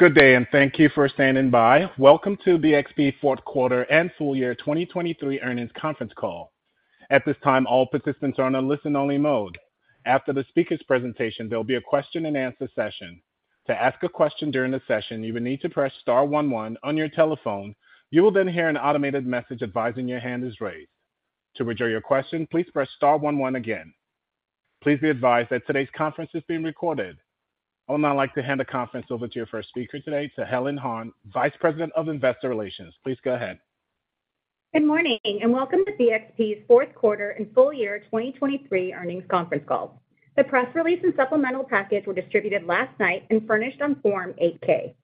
Good day, and thank you for standing by. Welcome to BXP fourth quarter and full year 2023 earnings conference call. At this time, all participants are on a listen-only mode. After the speakers' presentation, there'll be a question-and-answer session. To ask a question during the session, you will need to press star one one on your telephone. You will then hear an automated message advising your hand is raised. To withdraw your question, please press star one one again. Please be advised that today's conference is being recorded. I would now like to hand the conference over to your first speaker today, to Helen Han, Vice President of Investor Relations. Please go ahead. Good morning, and welcome to BXP's fourth quarter and full year 2023 earnings conference call. The press release and supplemental package were distributed last night and furnished on Form 8-K.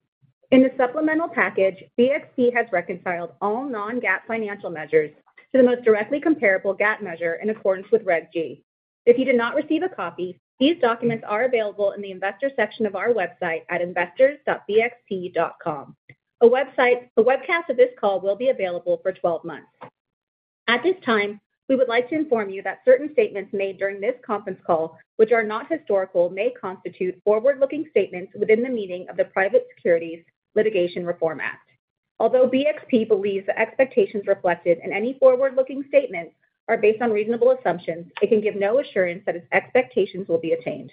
In the supplemental package, BXP has reconciled all non-GAAP financial measures to the most directly comparable GAAP measure in accordance with Reg G. If you did not receive a copy, these documents are available in the Investors section of our website at investors.bxp.com. A webcast of this call will be available for 12 months. At this time, we would like to inform you that certain statements made during this conference call, which are not historical, may constitute forward-looking statements within the meaning of the Private Securities Litigation Reform Act. Although BXP believes the expectations reflected in any forward-looking statements are based on reasonable assumptions, it can give no assurance that its expectations will be attained.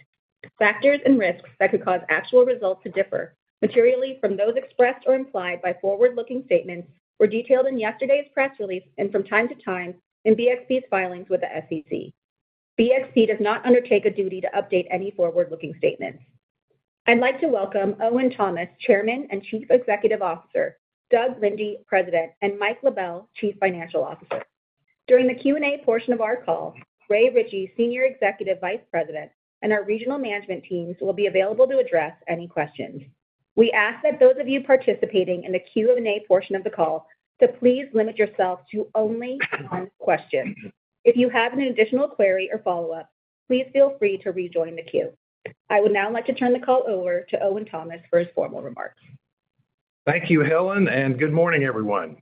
Factors and risks that could cause actual results to differ materially from those expressed or implied by forward-looking statements were detailed in yesterday's press release and from time to time in BXP's filings with the SEC. BXP does not undertake a duty to update any forward-looking statements. I'd like to welcome Owen Thomas, Chairman and Chief Executive Officer, Doug Linde, President, and Mike LaBelle, Chief Financial Officer. During the Q&A portion of our call, Ray Ritchey, Senior Executive Vice President, and our regional management teams will be available to address any questions. We ask that those of you participating in the Q&A portion of the call to please limit yourself to only one question. If you have an additional query or follow-up, please feel free to rejoin the queue. I would now like to turn the call over to Owen Thomas for his formal remarks. Thank you, Helen, and good morning, everyone.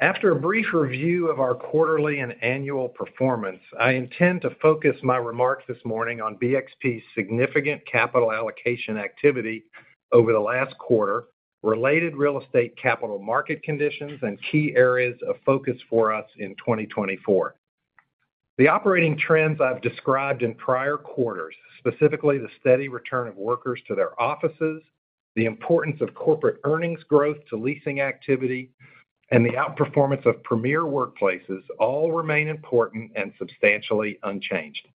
After a brief review of our quarterly and annual performance, I intend to focus my remarks this morning on BXP's significant capital allocation activity over the last quarter, related real estate capital market conditions, and key areas of focus for us in 2024. The operating trends I've described in prior quarters, specifically the steady return of workers to their offices, the importance of corporate earnings growth to leasing activity, and the outperformance of premier workplaces, all remain important and substantially unchanged.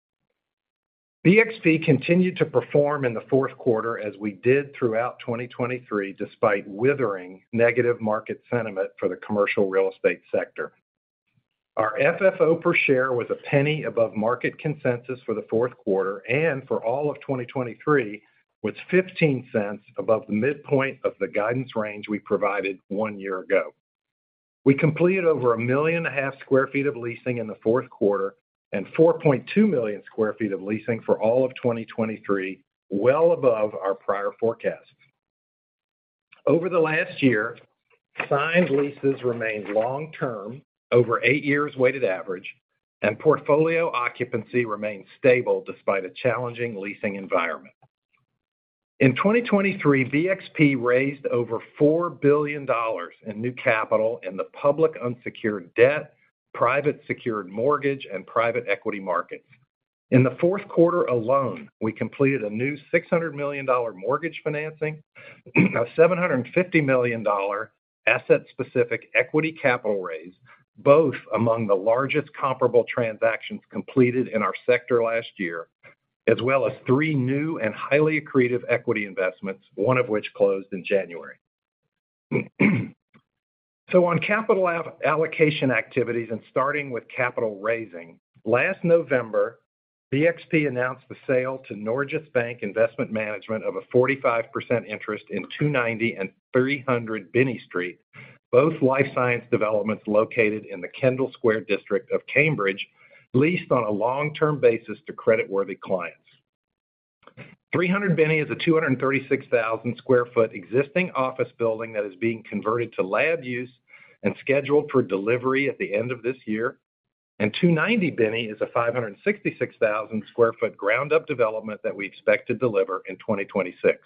BXP continued to perform in the fourth quarter as we did throughout 2023, despite withering negative market sentiment for the commercial real estate sector. Our FFO per share was $0.01 above market consensus for the fourth quarter, and for all of 2023, was $0.15 above the midpoint of the guidance range we provided one year ago. We completed over 1.5 million sq ft of leasing in the fourth quarter and 4.2 million sq ft of leasing for all of 2023, well above our prior forecasts. Over the last year, signed leases remained long term, over 8 years weighted average, and portfolio occupancy remained stable despite a challenging leasing environment. In 2023, BXP raised over $4 billion in new capital in the public unsecured debt, private secured mortgage, and private equity markets. In the fourth quarter alone, we completed a new $600 million mortgage financing, a $750 million asset-specific equity capital raise, both among the largest comparable transactions completed in our sector last year, as well as three new and highly accretive equity investments, one of which closed in January. So on capital allocation activities, and starting with capital raising, last November, BXP announced the sale to Norges Bank Investment Management of a 45% interest in 290 and 300 Binney Street, both life science developments located in the Kendall Square district of Cambridge, leased on a long-term basis to credit-worthy clients. 300 Binney is a 236,000 sq ft existing office building that is being converted to lab use and scheduled for delivery at the end of this year, and 290 Binney is a 566,000 sq ft ground-up development that we expect to deliver in 2026.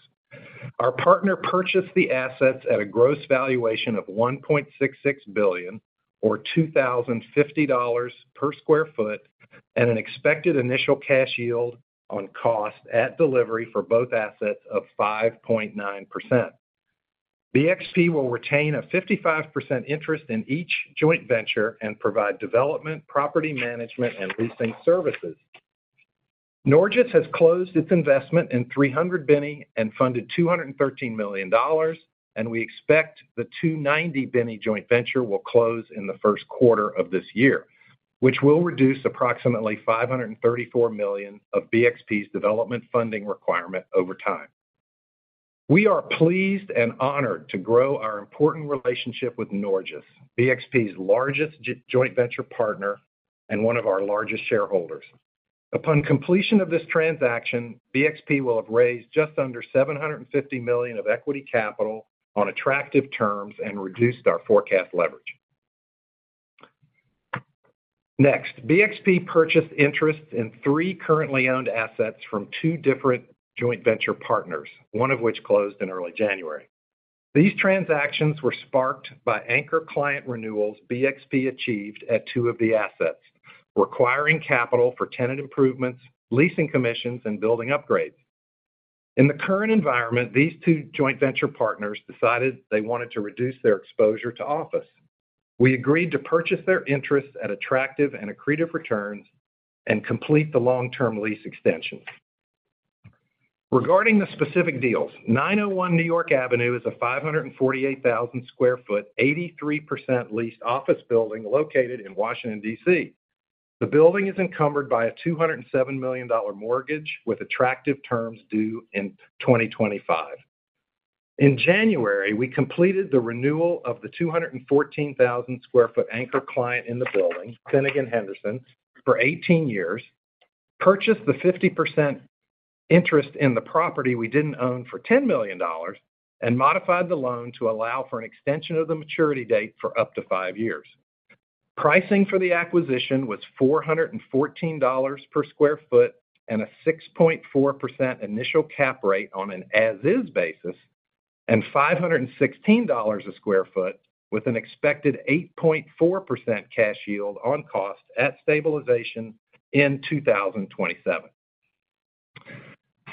Our partner purchased the assets at a gross valuation of $1.66 billion or $2,050 per sq ft, and an expected initial cash yield on cost at delivery for both assets of 5.9%. BXP will retain a 55% interest in each joint venture and provide development, property management, and leasing services. Norges has closed its investment in 300 Binney and funded $213 million, and we expect the 290 Binney joint venture will close in the first quarter of this year, which will reduce approximately $534 million of BXP's development funding requirement over time. We are pleased and honored to grow our important relationship with Norges, BXP's largest joint venture partner and one of our largest shareholders. Upon completion of this transaction, BXP will have raised just under $750 million of equity capital on attractive terms and reduced our forecast leverage. Next, BXP purchased interest in three currently owned assets from two different joint venture partners, one of which closed in early January. These transactions were sparked by anchor client renewals BXP achieved at two of the assets, requiring capital for tenant improvements, leasing commissions, and building upgrades. In the current environment, these two joint venture partners decided they wanted to reduce their exposure to office. We agreed to purchase their interests at attractive and accretive returns and complete the long-term lease extensions. Regarding the specific deals, 901 New York Avenue is a 548,000 sq ft, 83% leased office building located in Washington, D.C. The building is encumbered by a $207 million mortgage, with attractive terms due in 2025. In January, we completed the renewal of the 214,000 sq ft anchor client in the building, Finnegan Henderson, for 18 years, purchased the 50% interest in the property we didn't own for $10 million, and modified the loan to allow for an extension of the maturity date for up to 5 years. Pricing for the acquisition was $414 per sq ft and a 6.4% initial cap rate on an as-is basis, and $516 per sq ft, with an expected 8.4% cash yield on cost at stabilization in 2027.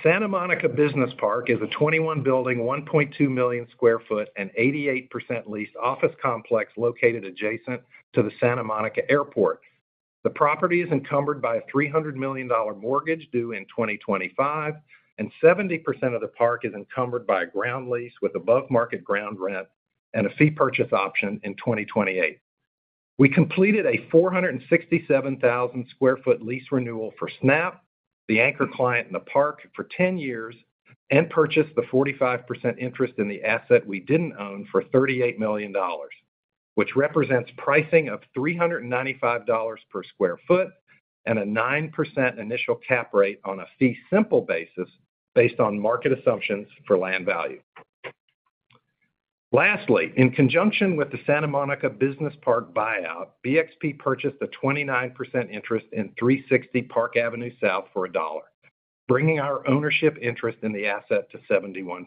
Santa Monica Business Park is a 21-building, 1.2 million sq ft and 88% leased office complex located adjacent to the Santa Monica Airport. The property is encumbered by a $300 million mortgage due in 2025, and 70% of the park is encumbered by a ground lease with above-market ground rent and a fee purchase option in 2028. We completed a 467,000 sq ft lease renewal for Snap, the anchor client in the park, for 10 years, and purchased the 45% interest in the asset we didn't own for $38 million, which represents pricing of $395 per sq ft and a 9% initial cap rate on a fee-simple basis, based on market assumptions for land value. Lastly, in conjunction with the Santa Monica Business Park buyout, BXP purchased a 29% interest in 360 Park Avenue South for $1, bringing our ownership interest in the asset to 71%.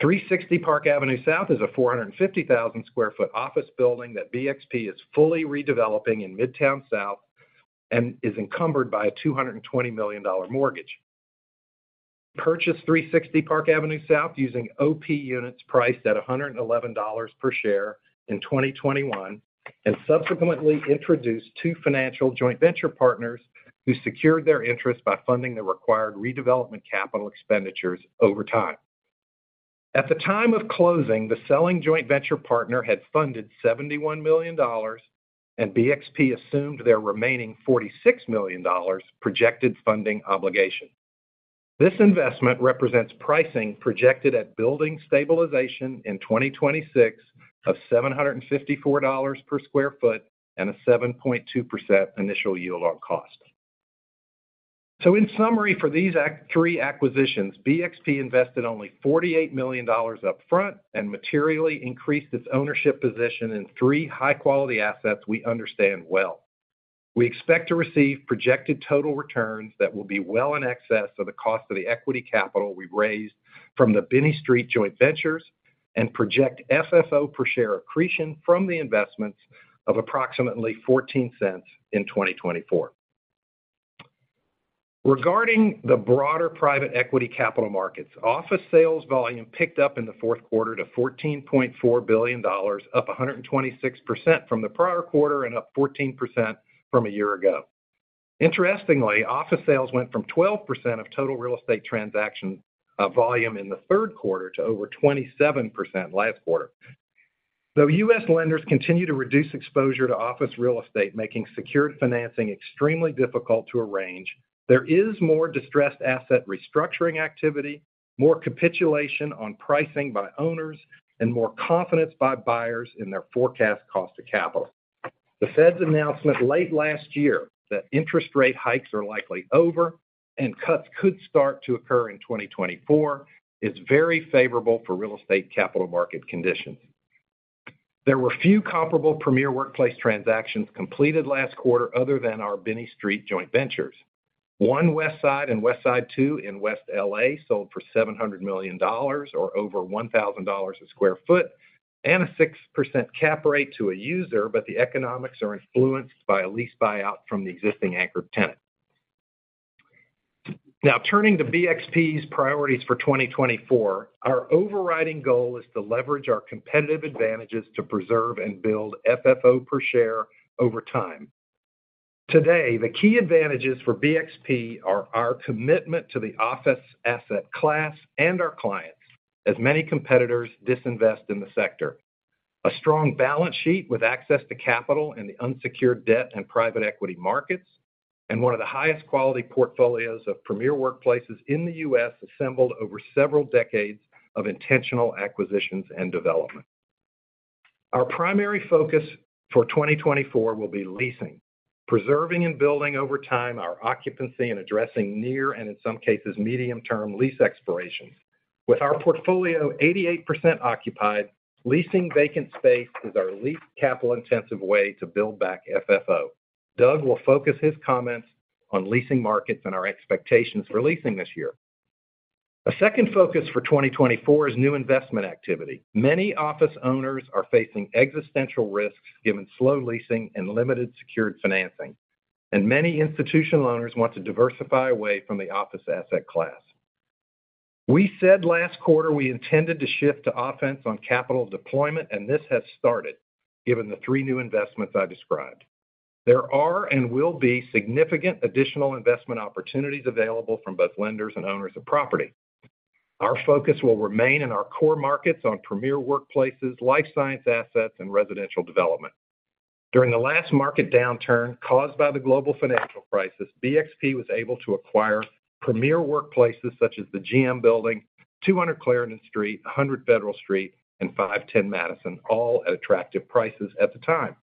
360 Park Avenue South is a 450,000 sq ft office building that BXP is fully redeveloping in Midtown South and is encumbered by a $220 million mortgage. Purchased 360 Park Avenue South using OP units priced at $111 per share in 2021, and subsequently introduced two financial joint venture partners who secured their interest by funding the required redevelopment capital expenditures over time. At the time of closing, the selling joint venture partner had funded $71 million, and BXP assumed their remaining $46 million projected funding obligation. This investment represents pricing projected at building stabilization in 2026 of $754 per sq ft and a 7.2% initial yield on cost. So in summary, for these three acquisitions, BXP invested only $48 million upfront and materially increased its ownership position in three high-quality assets we understand well. We expect to receive projected total returns that will be well in excess of the cost of the equity capital we raised from the Binney Street joint ventures, and project FFO per share accretion from the investments of approximately $0.14 in 2024. Regarding the broader private equity capital markets, office sales volume picked up in the fourth quarter to $14.4 billion, up 126% from the prior quarter and up 14% from a year ago. Interestingly, office sales went from 12% of total real estate transaction volume in the third quarter to over 27% last quarter. Though U.S. lenders continue to reduce exposure to office real estate, making secured financing extremely difficult to arrange, there is more distressed asset restructuring activity, more capitulation on pricing by owners, and more confidence by buyers in their forecast cost of capital. The Fed's announcement late last year that interest rate hikes are likely over and cuts could start to occur in 2024 is very favorable for real estate capital market conditions. There were few comparable Premier Workplace transactions completed last quarter other than our Binney Street joint ventures. One Westside and Westside Two in West L.A. sold for $700 million, or over $1,000/sq ft, and a 6% cap rate to a user, but the economics are influenced by a lease buyout from the existing anchor tenant. Now, turning to BXP's priorities for 2024, our overriding goal is to leverage our competitive advantages to preserve and build FFO per share over time. Today, the key advantages for BXP are our commitment to the office asset class and our clients, as many competitors disinvest in the sector. A strong balance sheet with access to capital in the unsecured debt and private equity markets, and one of the highest quality portfolios of premier workplaces in the U.S., assembled over several decades of intentional acquisitions and development. Our primary focus for 2024 will be leasing.... Preserving and building over time our occupancy and addressing near, and in some cases, medium-term lease expirations. With our portfolio 88% occupied, leasing vacant space is our least capital-intensive way to build back FFO. Doug will focus his comments on leasing markets and our expectations for leasing this year. A second focus for 2024 is new investment activity. Many office owners are facing existential risks given slow leasing and limited secured financing, and many institutional owners want to diversify away from the office asset class. We said last quarter we intended to shift to offense on capital deployment, and this has started, given the three new investments I described. There are and will be significant additional investment opportunities available from both lenders and owners of property. Our focus will remain in our core markets on premier workplaces, life science assets, and residential development. During the last market downturn caused by the global financial crisis, BXP was able to acquire premier workplaces such as the GM Building, 200 Clarendon Street, 100 Federal Street, and 510 Madison, all at attractive prices at the time.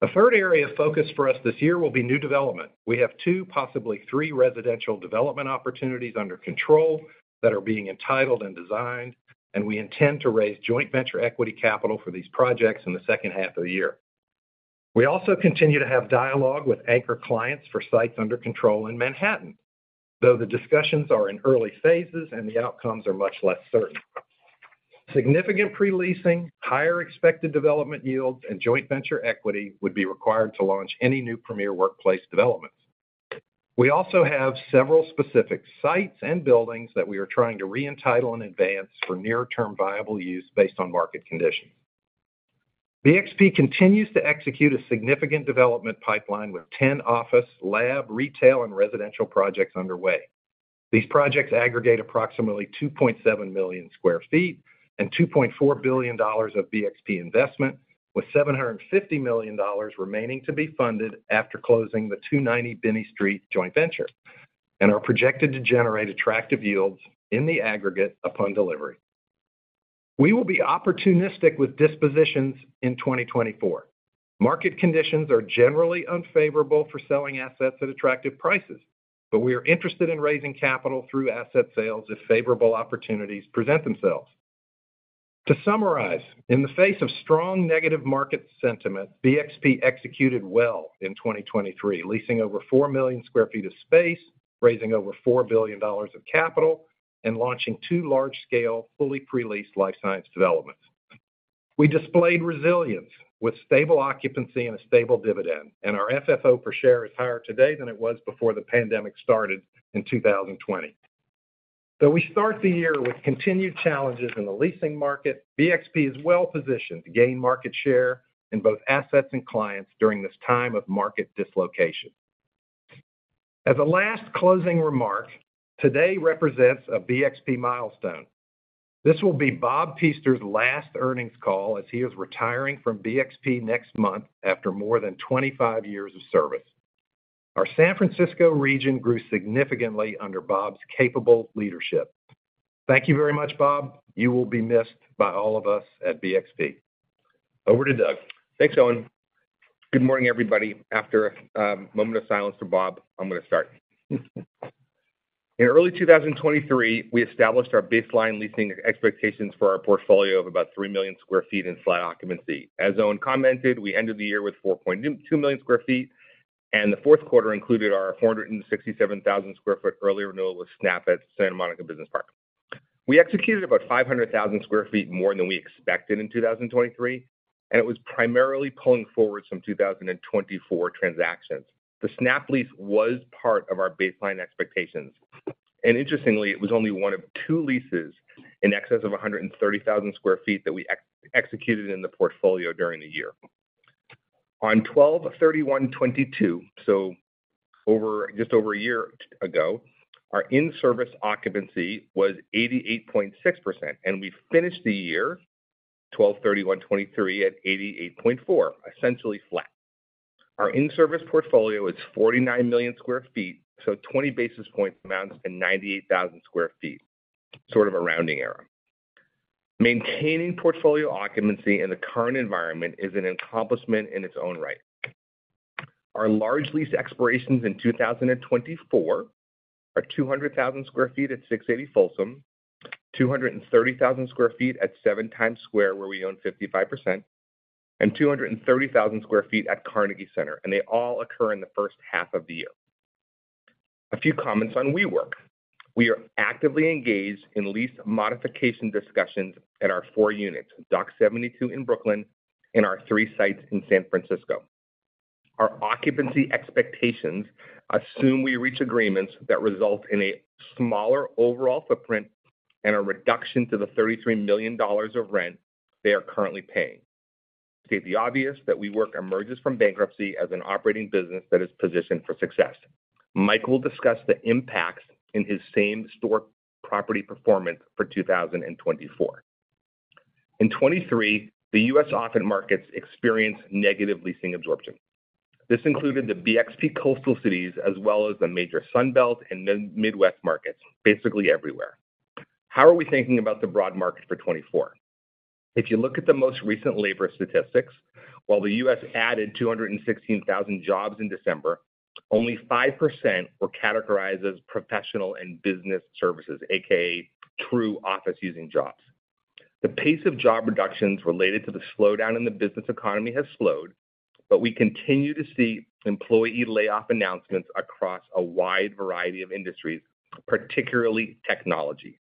A third area of focus for us this year will be new development. We have 2, possibly 3 residential development opportunities under control that are being entitled and designed, and we intend to raise joint venture equity capital for these projects in the second half of the year. We also continue to have dialogue with anchor clients for sites under control in Manhattan, though the discussions are in early phases and the outcomes are much less certain. Significant pre-leasing, higher expected development yields, and joint venture equity would be required to launch any new premier workplace developments. We also have several specific sites and buildings that we are trying to re-entitle and advance for near-term viable use based on market conditions. BXP continues to execute a significant development pipeline with ten office, lab, retail, and residential projects underway. These projects aggregate approximately 2.7 million sq ft and $2.4 billion of BXP investment, with $750 million remaining to be funded after closing the 290 Binney Street joint venture, and are projected to generate attractive yields in the aggregate upon delivery. We will be opportunistic with dispositions in 2024. Market conditions are generally unfavorable for selling assets at attractive prices, but we are interested in raising capital through asset sales if favorable opportunities present themselves. To summarize, in the face of strong negative market sentiment, BXP executed well in 2023, leasing over 4 million sq ft of space, raising over $4 billion of capital, and launching two large-scale, fully pre-leased life science developments. We displayed resilience with stable occupancy and a stable dividend, and our FFO per share is higher today than it was before the pandemic started in 2020. Though we start the year with continued challenges in the leasing market, BXP is well positioned to gain market share in both assets and clients during this time of market dislocation. As a last closing remark, today represents a BXP milestone. This will be Bob Pester's last earnings call as he is retiring from BXP next month after more than 25 years of service. Our San Francisco region grew significantly under Bob's capable leadership. Thank you very much, Bob. You will be missed by all of us at BXP. Over to Doug. Thanks, Owen. Good morning, everybody. After a moment of silence for Bob, I'm going to start. In early 2023, we established our baseline leasing expectations for our portfolio of about 3 million sq ft in flat occupancy. As Owen commented, we ended the year with 4.2 million sq ft, and the fourth quarter included our 167,000 sq ft early renewal with Snap at Santa Monica Business Park. We executed about 500,000 sq ft more than we expected in 2023, and it was primarily pulling forward some 2024 transactions. The Snap lease was part of our baseline expectations, and interestingly, it was only one of two leases in excess of 130,000 sq ft that we executed in the portfolio during the year. On 12/31/2022, so just over a year ago, our in-service occupancy was 88.6%, and we finished the year, 12/31/2023, at 88.4%, essentially flat. Our in-service portfolio is 49 million sq ft, so 20 basis points amounts to 98,000 sq ft, sort of a rounding error. Maintaining portfolio occupancy in the current environment is an accomplishment in its own right. Our large lease expirations in 2024 are 200,000 sq ft at 680 Folsom, 230,000 sq ft at 7 Times Square, where we own 55%, and 230,000 sq ft at Carnegie Center, and they all occur in the first half of the year. A few comments on WeWork. We are actively engaged in lease modification discussions at our four units, Dock 72 in Brooklyn and our three sites in San Francisco. Our occupancy expectations assume we reach agreements that result in a smaller overall footprint and a reduction to the $33 million of rent they are currently paying. To state the obvious, that WeWork emerges from bankruptcy as an operating business that is positioned for success. Mike will discuss the impacts in his same-store property performance for 2024. In 2023, the U.S. office markets experienced negative leasing absorption. This included the BXP coastal cities as well as the major Sun Belt and Midwest markets, basically everywhere. How are we thinking about the broad market for 2024? If you look at the most recent labor statistics, while the U.S. added 216,000 jobs in December, only 5% were categorized as professional and business services, AKA, true office using jobs. The pace of job reductions related to the slowdown in the business economy has slowed, but we continue to see employee layoff announcements across a wide variety of industries, particularly technology.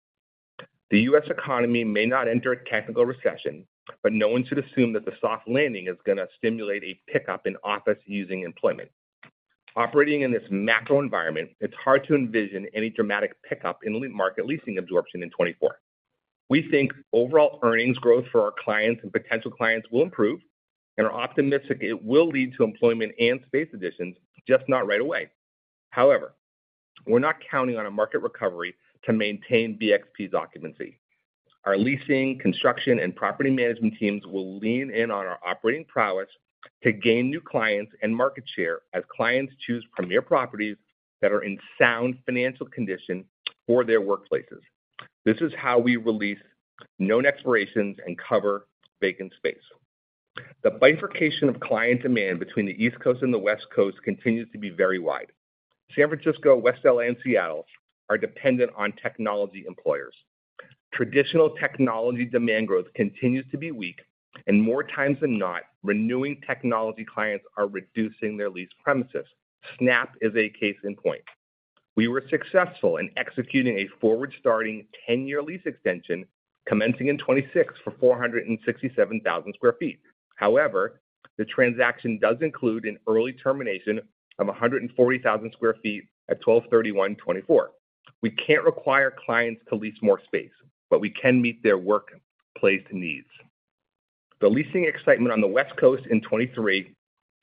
The U.S. economy may not enter a technical recession, but no one should assume that the soft landing is going to stimulate a pickup in office using employment. Operating in this macro environment, it's hard to envision any dramatic pickup in market leasing absorption in 2024. We think overall earnings growth for our clients and potential clients will improve and are optimistic it will lead to employment and space additions, just not right away. However, we're not counting on a market recovery to maintain BXP's occupancy. Our leasing, construction, and property management teams will lean in on our operating prowess to gain new clients and market share as clients choose premier properties that are in sound financial condition for their workplaces. This is how we release known expirations and cover vacant space. The bifurcation of client demand between the East Coast and the West Coast continues to be very wide. San Francisco, West L.A., and Seattle are dependent on technology employers. Traditional technology demand growth continues to be weak, and more times than not, renewing technology clients are reducing their leased premises. Snap is a case in point. We were successful in executing a forward-starting 10-year lease extension commencing in 2026 for 467,000 sq ft. However, the transaction does include an early termination of 140,000 sq ft at 12/31/24. We can't require clients to lease more space, but we can meet their workplace needs. The leasing excitement on the West Coast in 2023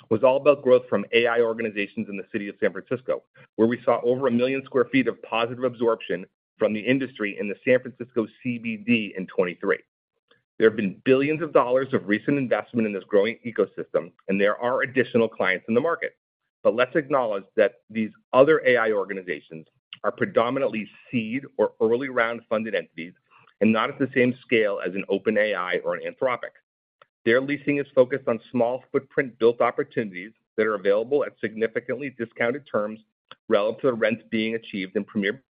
was all about growth from AI organizations in the city of San Francisco, where we saw over 1 million sq ft of positive absorption from the industry in the San Francisco CBD in 2023. There have been billions of dollars of recent investment in this growing ecosystem, and there are additional clients in the market. But let's acknowledge that these other AI organizations are predominantly seed or early round funded entities and not at the same scale as an OpenAI or an Anthropic. Their leasing is focused on small footprint built opportunities that are available at significantly discounted terms relative to the rents being achieved in Premier.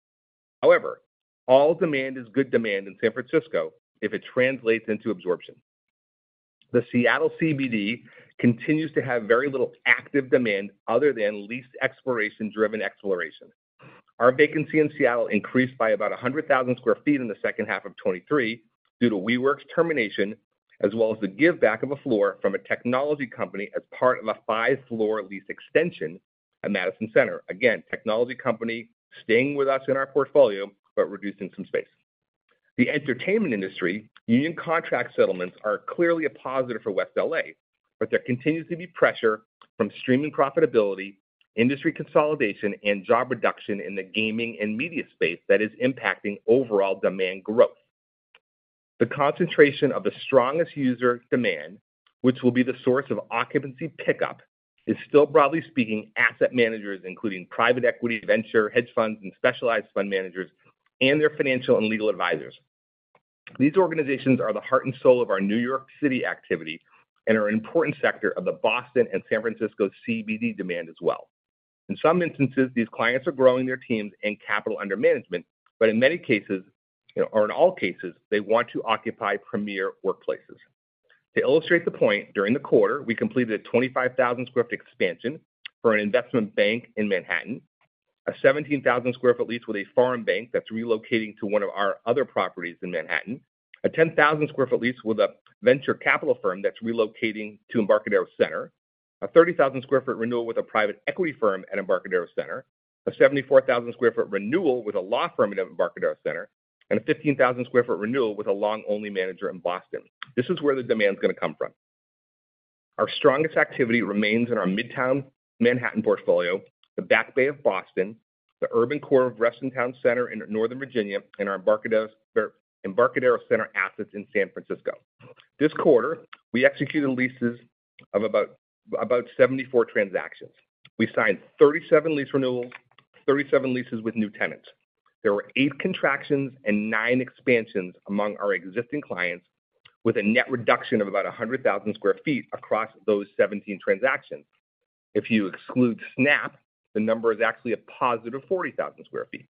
However, all demand is good demand in San Francisco if it translates into absorption. The Seattle CBD continues to have very little active demand other than lease exploration driven exploration. Our vacancy in Seattle increased by about 100,000 sq ft in the second half of 2023 due to WeWork's termination, as well as the give back of a floor from a technology company as part of a 5-floor lease extension at Madison Center. Again, technology company staying with us in our portfolio, but reducing some space. The entertainment industry, union contract settlements are clearly a positive for West L.A., but there continues to be pressure from streaming profitability, industry consolidation, and job reduction in the gaming and media space that is impacting overall demand growth. The concentration of the strongest user demand, which will be the source of occupancy pickup, is still, broadly speaking, asset managers, including private equity, venture, hedge funds, and specialized fund managers, and their financial and legal advisors. These organizations are the heart and soul of our New York City activity and are an important sector of the Boston and San Francisco CBD demand as well. In some instances, these clients are growing their teams and capital under management, but in many cases, or in all cases, they want to occupy premier workplaces. To illustrate the point, during the quarter, we completed a 25,000 sq ft expansion for an investment bank in Manhattan, a 17,000 sq ft lease with a foreign bank that's relocating to one of our other properties in Manhattan, a 10,000 sq ft lease with a venture capital firm that's relocating to Embarcadero Center, a 30,000 sq ft renewal with a private equity firm at Embarcadero Center, a 74,000 sq ft renewal with a law firm at Embarcadero Center, and a 15,000 sq ft renewal with a long-only manager in Boston. This is where the demand is going to come from. Our strongest activity remains in our Midtown Manhattan portfolio, the Back Bay of Boston, the urban core of Reston Town Center in Northern Virginia, and our Embarcadero Center assets in San Francisco. This quarter, we executed leases of about 74 transactions. We signed 37 lease renewals, 37 leases with new tenants. There were 8 contractions and 9 expansions among our existing clients, with a net reduction of about 100,000 sq ft across those 17 transactions. If you exclude Snap, the number is actually a +40,000 sq ft.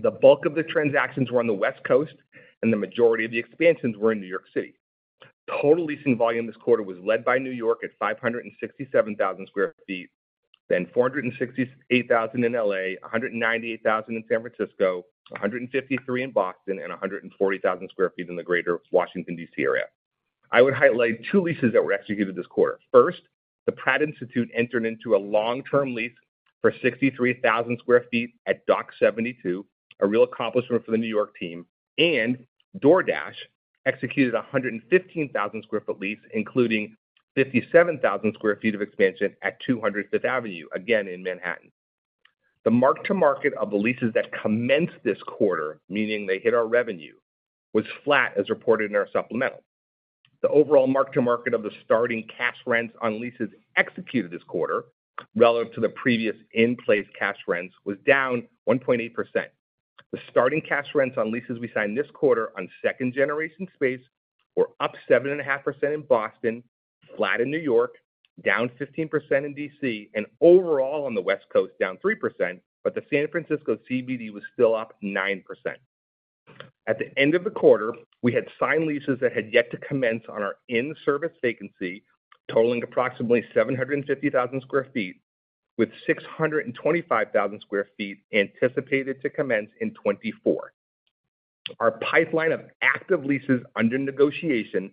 The bulk of the transactions were on the West Coast, and the majority of the expansions were in New York City. Total leasing volume this quarter was led by New York at 567,000 sq ft, then 468,000 in L.A., 198,000 in San Francisco, 153,000 in Boston, and 140,000 sq ft in the greater Washington, D.C., area. I would highlight two leases that were executed this quarter. First, the Pratt Institute entered into a long-term lease for 63,000 sq ft at Dock 72, a real accomplishment for the New York team, and DoorDash executed a 115,000 sq ft lease, including 57,000 sq ft of expansion at 200 Fifth Avenue, again in Manhattan. The mark-to-market of the leases that commenced this quarter, meaning they hit our revenue, was flat, as reported in our supplemental. The overall mark-to-market of the starting cash rents on leases executed this quarter, relative to the previous in-place cash rents, was down 1.8%. The starting cash rents on leases we signed this quarter on second generation space were up 7.5% in Boston, flat in New York, down 15% in D.C., and overall on the West Coast, down 3%, but the San Francisco CBD was still up 9%. At the end of the quarter, we had signed leases that had yet to commence on our in-service vacancy, totaling approximately 750,000 sq ft, with 625,000 sq ft anticipated to commence in 2024. Our pipeline of active leases under negotiation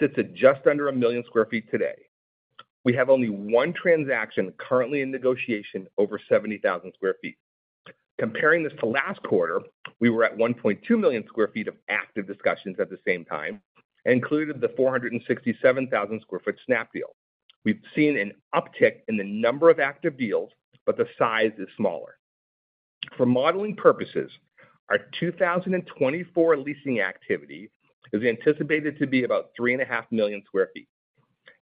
sits at just under 1 million sq ft today. We have only one transaction currently in negotiation, over 70,000 sq ft. Comparing this to last quarter, we were at 1.2 million sq ft of active discussions at the same time, and included the 467,000 sq ft Snap deal. We've seen an uptick in the number of active deals, but the size is smaller. For modeling purposes, our 2024 leasing activity is anticipated to be about 3.5 million sq ft.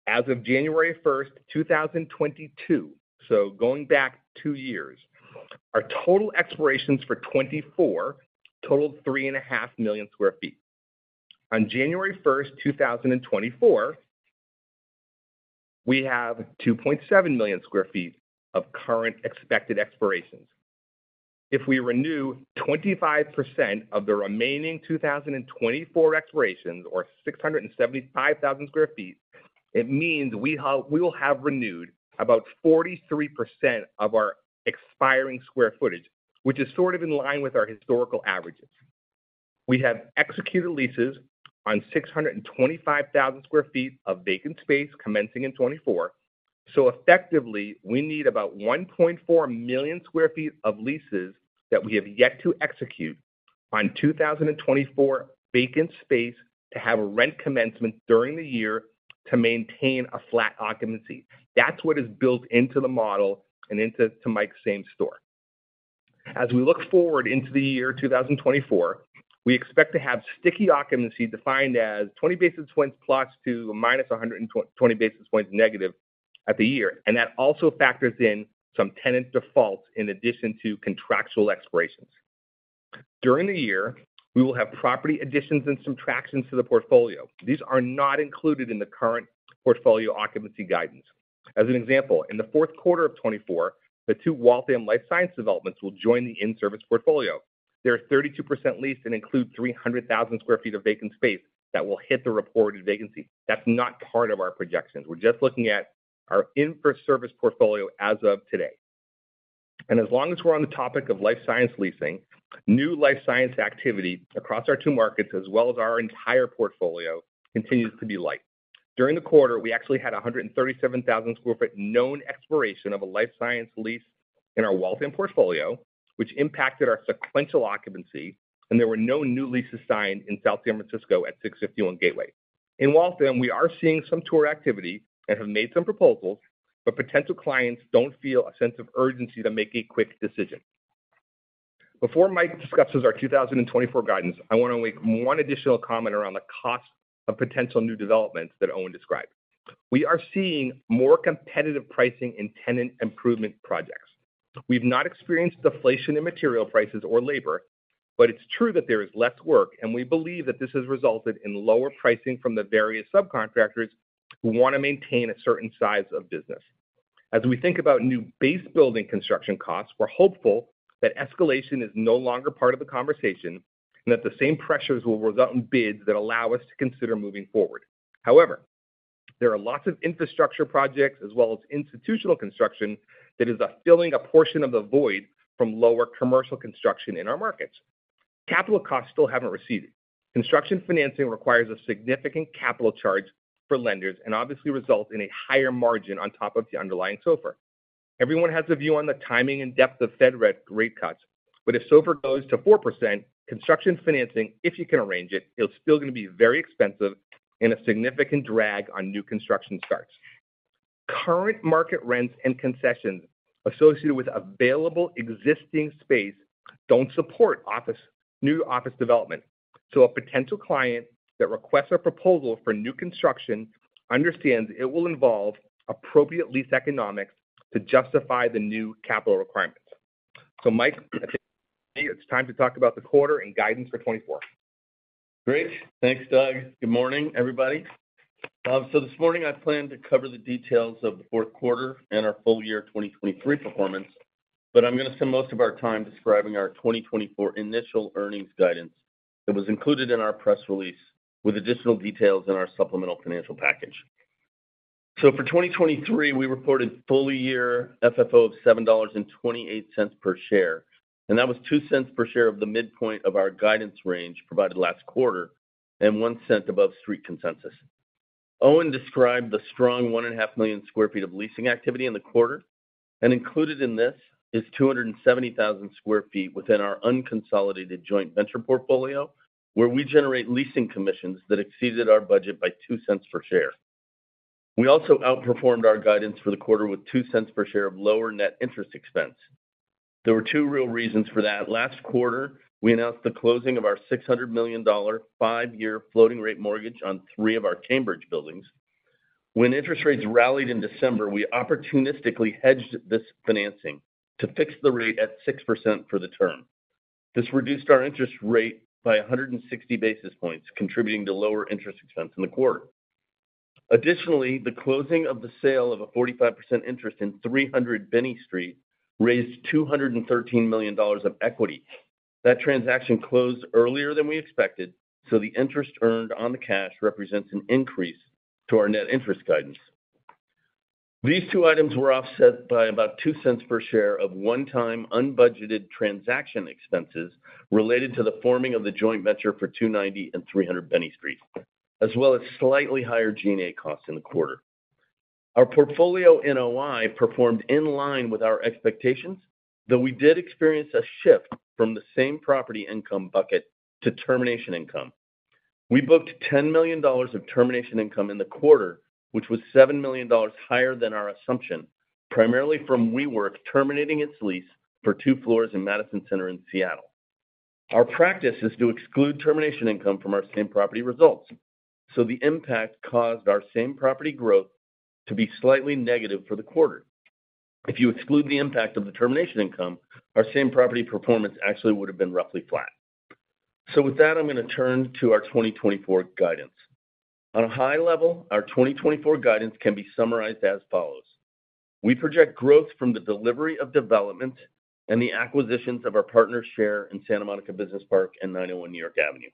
As of January 1, 2022, so going back 2 years, our total expirations for 2024 totaled 3.5 million sq ft. On January 1, 2024, we have 2.7 million sq ft of current expected expirations. If we renew 25% of the remaining 2024 expirations, or 675,000 sq ft, it means we will have renewed about 43% of our expiring square footage, which is sort of in line with our historical averages. We have executed leases on 625,000 sq ft of vacant space commencing in 2024. So effectively, we need about 1.4 million sq ft of leases that we have yet to execute on 2024 vacant space to have a rent commencement during the year to maintain a flat occupancy. That's what is built into the model and into Mike's same store. As we look forward into the year 2024, we expect to have sticky occupancy, defined as +20 basis points to -120 basis points negative at the year, and that also factors in some tenant defaults in addition to contractual expirations. During the year, we will have property additions and subtractions to the portfolio. These are not included in the current portfolio occupancy guidance. As an example, in the fourth quarter of 2024, the two Waltham life science developments will join the in-service portfolio. They are 32% leased and include 300,000 sq ft of vacant space that will hit the reported vacancy. That's not part of our projections. We're just looking at our in-service portfolio as of today. As long as we're on the topic of life science leasing, new life science activity across our two markets, as well as our entire portfolio, continues to be light. During the quarter, we actually had a 137,000 sq ft nonrenewal of a life science lease in our Waltham portfolio, which impacted our sequential occupancy, and there were no new leases signed in San Francisco at 651 Gateway. In Waltham, we are seeing some tour activity and have made some proposals, but potential clients don't feel a sense of urgency to make a quick decision. Before Mike discusses our 2024 guidance, I want to make one additional comment around the cost of potential new developments that Owen described. We are seeing more competitive pricing in tenant improvement projects. We've not experienced deflation in material prices or labor, but it's true that there is less work, and we believe that this has resulted in lower pricing from the various subcontractors who want to maintain a certain size of business. As we think about new base building construction costs, we're hopeful that escalation is no longer part of the conversation, and that the same pressures will result in bids that allow us to consider moving forward. However, there are lots of infrastructure projects as well as institutional construction, that is, filling a portion of the void from lower commercial construction in our markets. Capital costs still haven't receded. Construction financing requires a significant capital charge for lenders, and obviously result in a higher margin on top of the underlying SOFR. Everyone has a view on the timing and depth of Fed rate cuts, but if SOFR goes to 4%, construction financing, if you can arrange it, is still gonna be very expensive and a significant drag on new construction starts. Current market rents and concessions associated with available existing space don't support office - new office development. So a potential client that requests a proposal for new construction understands it will involve appropriate lease economics to justify the new capital requirements. So, Mike, I think it's time to talk about the quarter and guidance for 2024. Great. Thanks, Doug. Good morning, everybody. So this morning I plan to cover the details of the fourth quarter and our full year 2023 performance, but I'm gonna spend most of our time describing our 2024 initial earnings guidance that was included in our press release, with additional details in our supplemental financial package. So for 2023, we reported full year FFO of $7.28 per share, and that was $0.02 per share of the midpoint of our guidance range provided last quarter, and $0.01 above Street consensus. Owen described the strong 1.5 million sq ft of leasing activity in the quarter, and included in this is 270,000 sq ft within our unconsolidated joint venture portfolio, where we generate leasing commissions that exceeded our budget by $0.02 per share. We also outperformed our guidance for the quarter with $0.02 per share of lower net interest expense. There were two real reasons for that. Last quarter, we announced the closing of our $600 million, 5-year floating rate mortgage on three of our Cambridge buildings. When interest rates rallied in December, we opportunistically hedged this financing to fix the rate at 6% for the term. This reduced our interest rate by 160 basis points, contributing to lower interest expense in the quarter. Additionally, the closing of the sale of a 45% interest in 300 Binney Street raised $213 million of equity. That transaction closed earlier than we expected, so the interest earned on the cash represents an increase to our net interest guidance. These two items were offset by about $0.02 per share of one-time, unbudgeted transaction expenses related to the forming of the joint venture for 290 and 300 Binney Street, as well as slightly higher G&A costs in the quarter. Our portfolio NOI performed in line with our expectations, though we did experience a shift from the same property income bucket to termination income. We booked $10 million of termination income in the quarter, which was $7 million higher than our assumption, primarily from WeWork terminating its lease for 2 floors in Madison Center in Seattle. Our practice is to exclude termination income from our same property results, so the impact caused our same property growth to be slightly negative for the quarter. If you exclude the impact of the termination income, our same property performance actually would have been roughly flat. So with that, I'm going to turn to our 2024 guidance. On a high level, our 2024 guidance can be summarized as follows: We project growth from the delivery of development and the acquisitions of our partner's share in Santa Monica Business Park and 901 New York Avenue.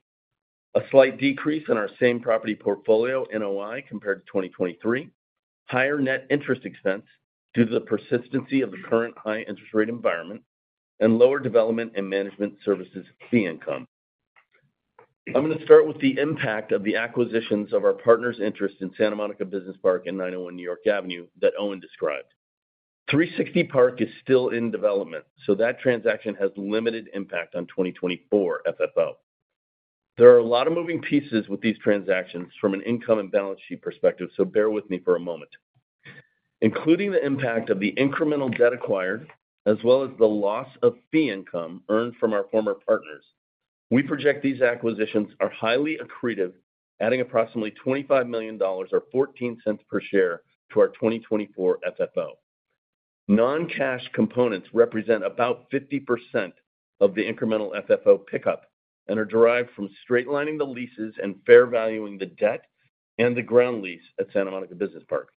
A slight decrease in our same property portfolio NOI compared to 2023. Higher net interest expense due to the persistency of the current high interest rate environment, and lower development and management services fee income. I'm going to start with the impact of the acquisitions of our partner's interest in Santa Monica Business Park and 901 New York Avenue that Owen described. 360 Park is still in development, so that transaction has limited impact on 2024 FFO. There are a lot of moving pieces with these transactions from an income and balance sheet perspective, so bear with me for a moment. Including the impact of the incremental debt acquired, as well as the loss of fee income earned from our former partners, we project these acquisitions are highly accretive, adding approximately $25 million or $0.14 per share to our 2024 FFO. Non-cash components represent about 50% of the incremental FFO pickup and are derived from straight-lining the leases and fair-valuing the debt and the ground lease at Santa Monica Business Park.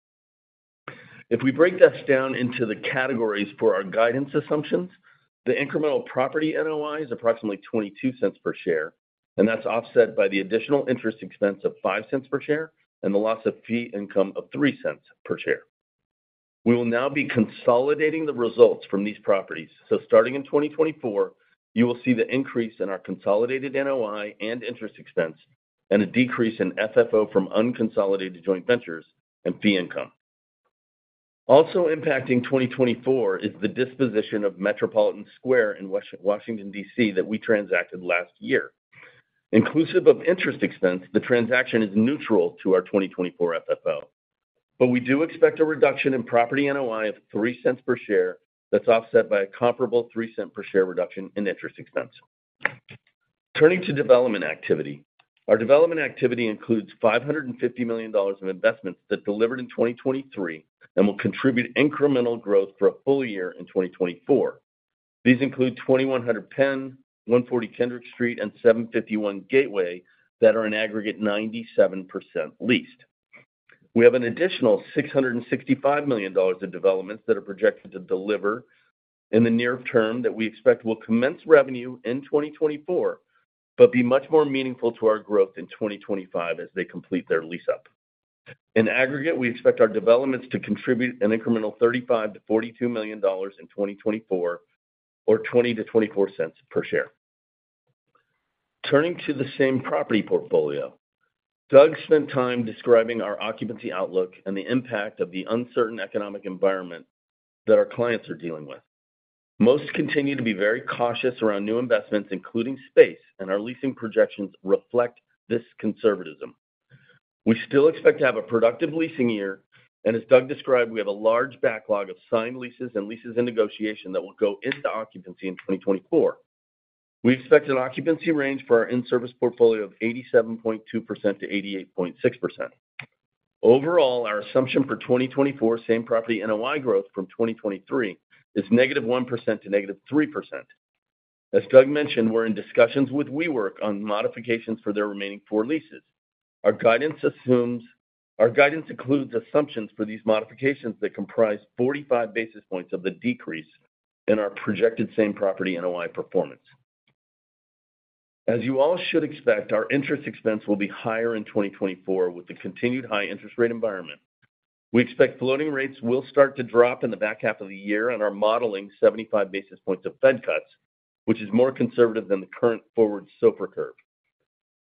If we break this down into the categories for our guidance assumptions, the incremental property NOI is approximately $0.22 per share, and that's offset by the additional interest expense of $0.05 per share and the loss of fee income of $0.03 per share. We will now be consolidating the results from these properties. Starting in 2024, you will see the increase in our consolidated NOI and interest expense, and a decrease in FFO from unconsolidated joint ventures and fee income. Also impacting 2024 is the disposition of Metropolitan Square in Washington, D.C., that we transacted last year. Inclusive of interest expense, the transaction is neutral to our 2024 FFO, but we do expect a reduction in property NOI of $0.03 per share. That's offset by a comparable $0.03 per share reduction in interest expense. Turning to development activity. Our development activity includes $550 million of investments that delivered in 2023, and will contribute incremental growth for a full year in 2024. These include 2100 Penn, 140 Kendrick Street, and 751 Gateway, that are in aggregate 97% leased. We have an additional $665 million of developments that are projected to deliver in the near term that we expect will commence revenue in 2024, but be much more meaningful to our growth in 2025 as they complete their lease up. In aggregate, we expect our developments to contribute an incremental $35 million-$42 million in 2024, or 20-24 cents per share. Turning to the same-property portfolio, Doug spent time describing our occupancy outlook and the impact of the uncertain economic environment that our clients are dealing with. Most continue to be very cautious around new investments, including space, and our leasing projections reflect this conservatism. We still expect to have a productive leasing year, and as Doug described, we have a large backlog of signed leases and leases in negotiation that will go into occupancy in 2024. We expect an occupancy range for our in-service portfolio of 87.2%-88.6%. Overall, our assumption for 2024 same-property NOI growth from 2023 is -1% to -3%. As Doug mentioned, we're in discussions with WeWork on modifications for their remaining four leases. Our guidance includes assumptions for these modifications that comprise 45 basis points of the decrease in our projected same-property NOI performance. As you all should expect, our interest expense will be higher in 2024, with the continued high interest rate environment. We expect floating rates will start to drop in the back half of the year and are modeling 75 basis points of Fed cuts, which is more conservative than the current forward SOFR curve.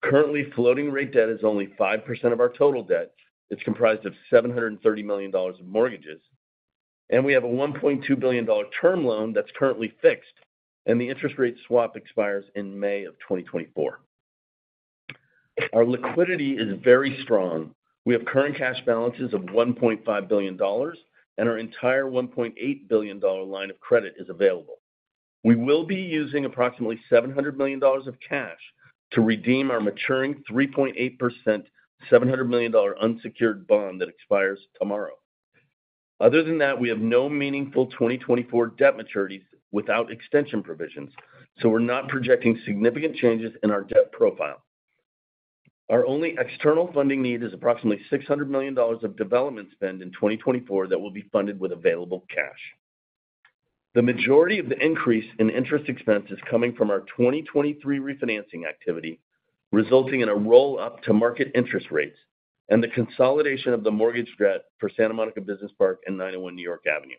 Currently, floating rate debt is only 5% of our total debt. It's comprised of $730 million in mortgages. And we have a $1.2 billion term loan that's currently fixed, and the interest rate swap expires in May 2024. Our liquidity is very strong. We have current cash balances of $1.5 billion, and our entire $1.8 billion line of credit is available. We will be using approximately $700 million of cash to redeem our maturing 3.8%, $700 million unsecured bond that expires tomorrow. Other than that, we have no meaningful 2024 debt maturities without extension provisions, so we're not projecting significant changes in our debt profile. Our only external funding need is approximately $600 million of development spend in 2024 that will be funded with available cash. The majority of the increase in interest expense is coming from our 2023 refinancing activity, resulting in a roll up to market interest rates and the consolidation of the mortgage debt for Santa Monica Business Park and 901 New York Avenue.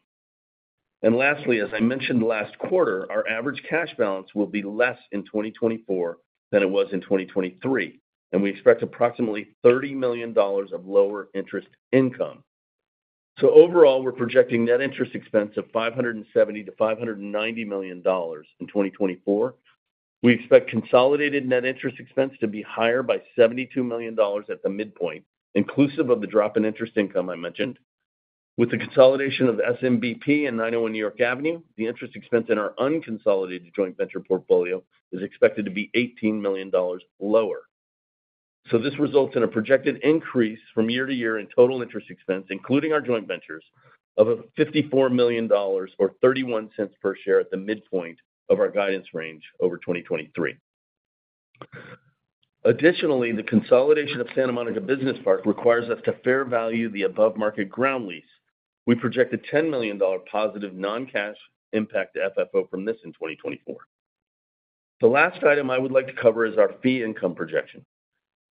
And lastly, as I mentioned last quarter, our average cash balance will be less in 2024 than it was in 2023, and we expect approximately $30 million of lower interest income. So overall, we're projecting net interest expense of $570 million-$590 million in 2024. We expect consolidated net interest expense to be higher by $72 million at the midpoint, inclusive of the drop in interest income I mentioned. With the consolidation of SMBP and 901 New York Avenue, the interest expense in our unconsolidated joint venture portfolio is expected to be $18 million lower. So this results in a projected increase from year to year in total interest expense, including our joint ventures, of $54 million or $0.31 per share at the midpoint of our guidance range over 2023. Additionally, the consolidation of Santa Monica Business Park requires us to fair value the above market ground lease. We project a $10 million+ non-cash impact to FFO from this in 2024. The last item I would like to cover is our fee income projection.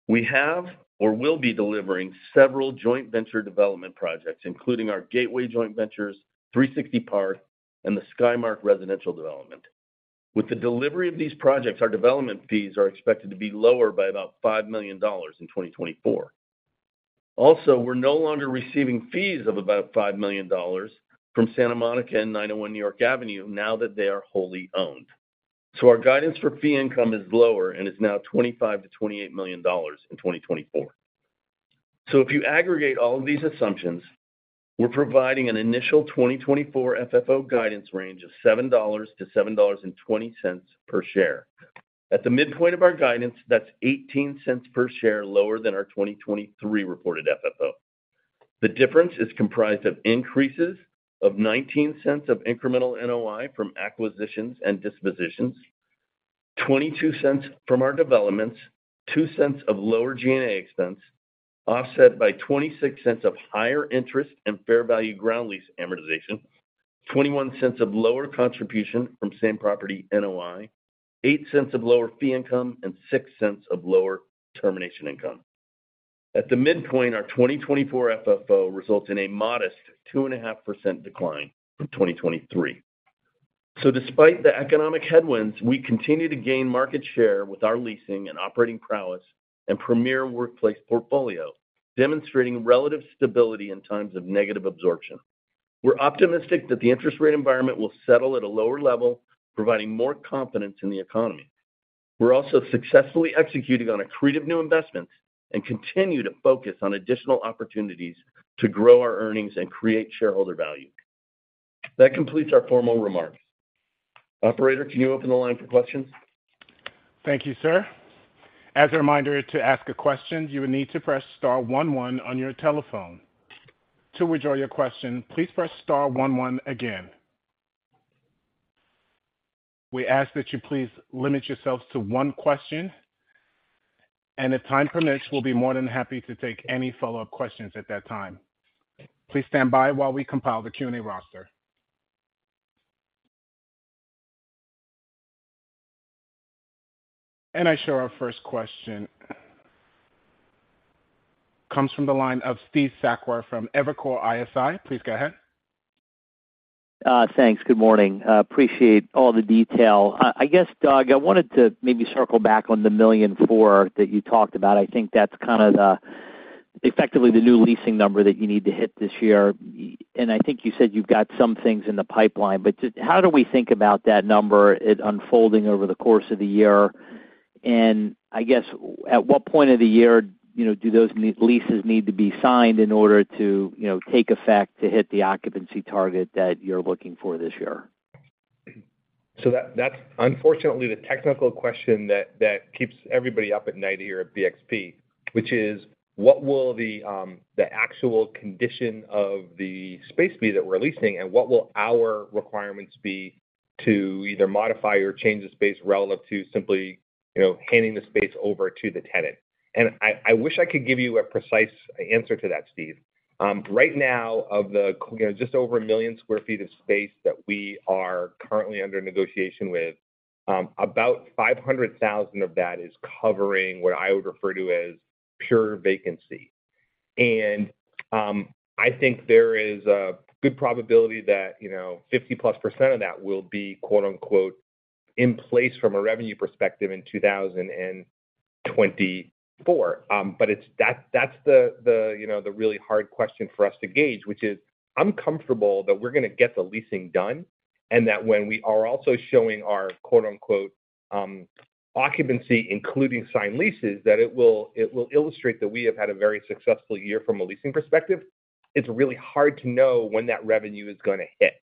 We have or will be delivering several joint venture development projects, including our Gateway joint ventures, 360 Park, and the Skymark residential development. With the delivery of these projects, our development fees are expected to be lower by about $5 million in 2024. Also, we're no longer receiving fees of about $5 million from Santa Monica and 901 New York Avenue now that they are wholly owned. So our guidance for fee income is lower and is now $25 million-$28 million in 2024. So if you aggregate all of these assumptions, we're providing an initial 2024 FFO guidance range of $7-$7.20 per share. At the midpoint of our guidance, that's $0.18 per share lower than our 2023 reported FFO. The difference is comprised of increases of $0.19 of incremental NOI from acquisitions and dispositions, $0.22 from our developments, $0.02 of lower G&A expense, offset by $0.26 of higher interest and fair value ground lease amortization, $0.21 of lower contribution from same property NOI, $0.08 of lower fee income, and $0.06 of lower termination income. At the midpoint, our 2024 FFO results in a modest 2.5% decline from 2023. So despite the economic headwinds, we continue to gain market share with our leasing and operating prowess and Premier Workplace portfolio, demonstrating relative stability in times of negative absorption. We're optimistic that the interest rate environment will settle at a lower level, providing more confidence in the economy. We're also successfully executing on accretive new investments and continue to focus on additional opportunities to grow our earnings and create shareholder value. That completes our formal remarks. Operator, can you open the line for questions? Thank you, sir. As a reminder, to ask a question, you will need to press star one one on your telephone. To withdraw your question, please press star one one again. We ask that you please limit yourselves to one question, and if time permits, we'll be more than happy to take any follow-up questions at that time. Please stand by while we compile the Q&A roster. I show our first question. Comes from the line of Steve Sakwa from Evercore ISI. Please go ahead. Thanks. Good morning. I appreciate all the detail. I guess, Doug, I wanted to maybe circle back on the 1.4 million that you talked about. I think that's kind of the, effectively the new leasing number that you need to hit this year. And I think you said you've got some things in the pipeline, but just how do we think about that number, it unfolding over the course of the year? And I guess, at what point of the year, you know, do those new leases need to be signed in order to, you know, take effect to hit the occupancy target that you're looking for this year? So, that's unfortunately the technical question that keeps everybody up at night here at BXP, which is: What will the actual condition of the space be that we're leasing, and what will our requirements be to either modify or change the space relative to simply, you know, handing the space over to the tenant? And I wish I could give you a precise answer to that, Steve. Right now, of the, you know, just over 1 million sq ft of space that we are currently under negotiation with, about 500,000 of that is covering what I would refer to as pure vacancy. And I think there is a good probability that, you know, 50%+ of that will be, quote, unquote, in place from a revenue perspective in 2024. 2024. But it's—that, that's the, the, you know, the really hard question for us to gauge, which is I'm comfortable that we're gonna get the leasing done, and that when we are also showing our quote, unquote, "occupancy," including signed leases, that it will illustrate that we have had a very successful year from a leasing perspective. It's really hard to know when that revenue is gonna hit.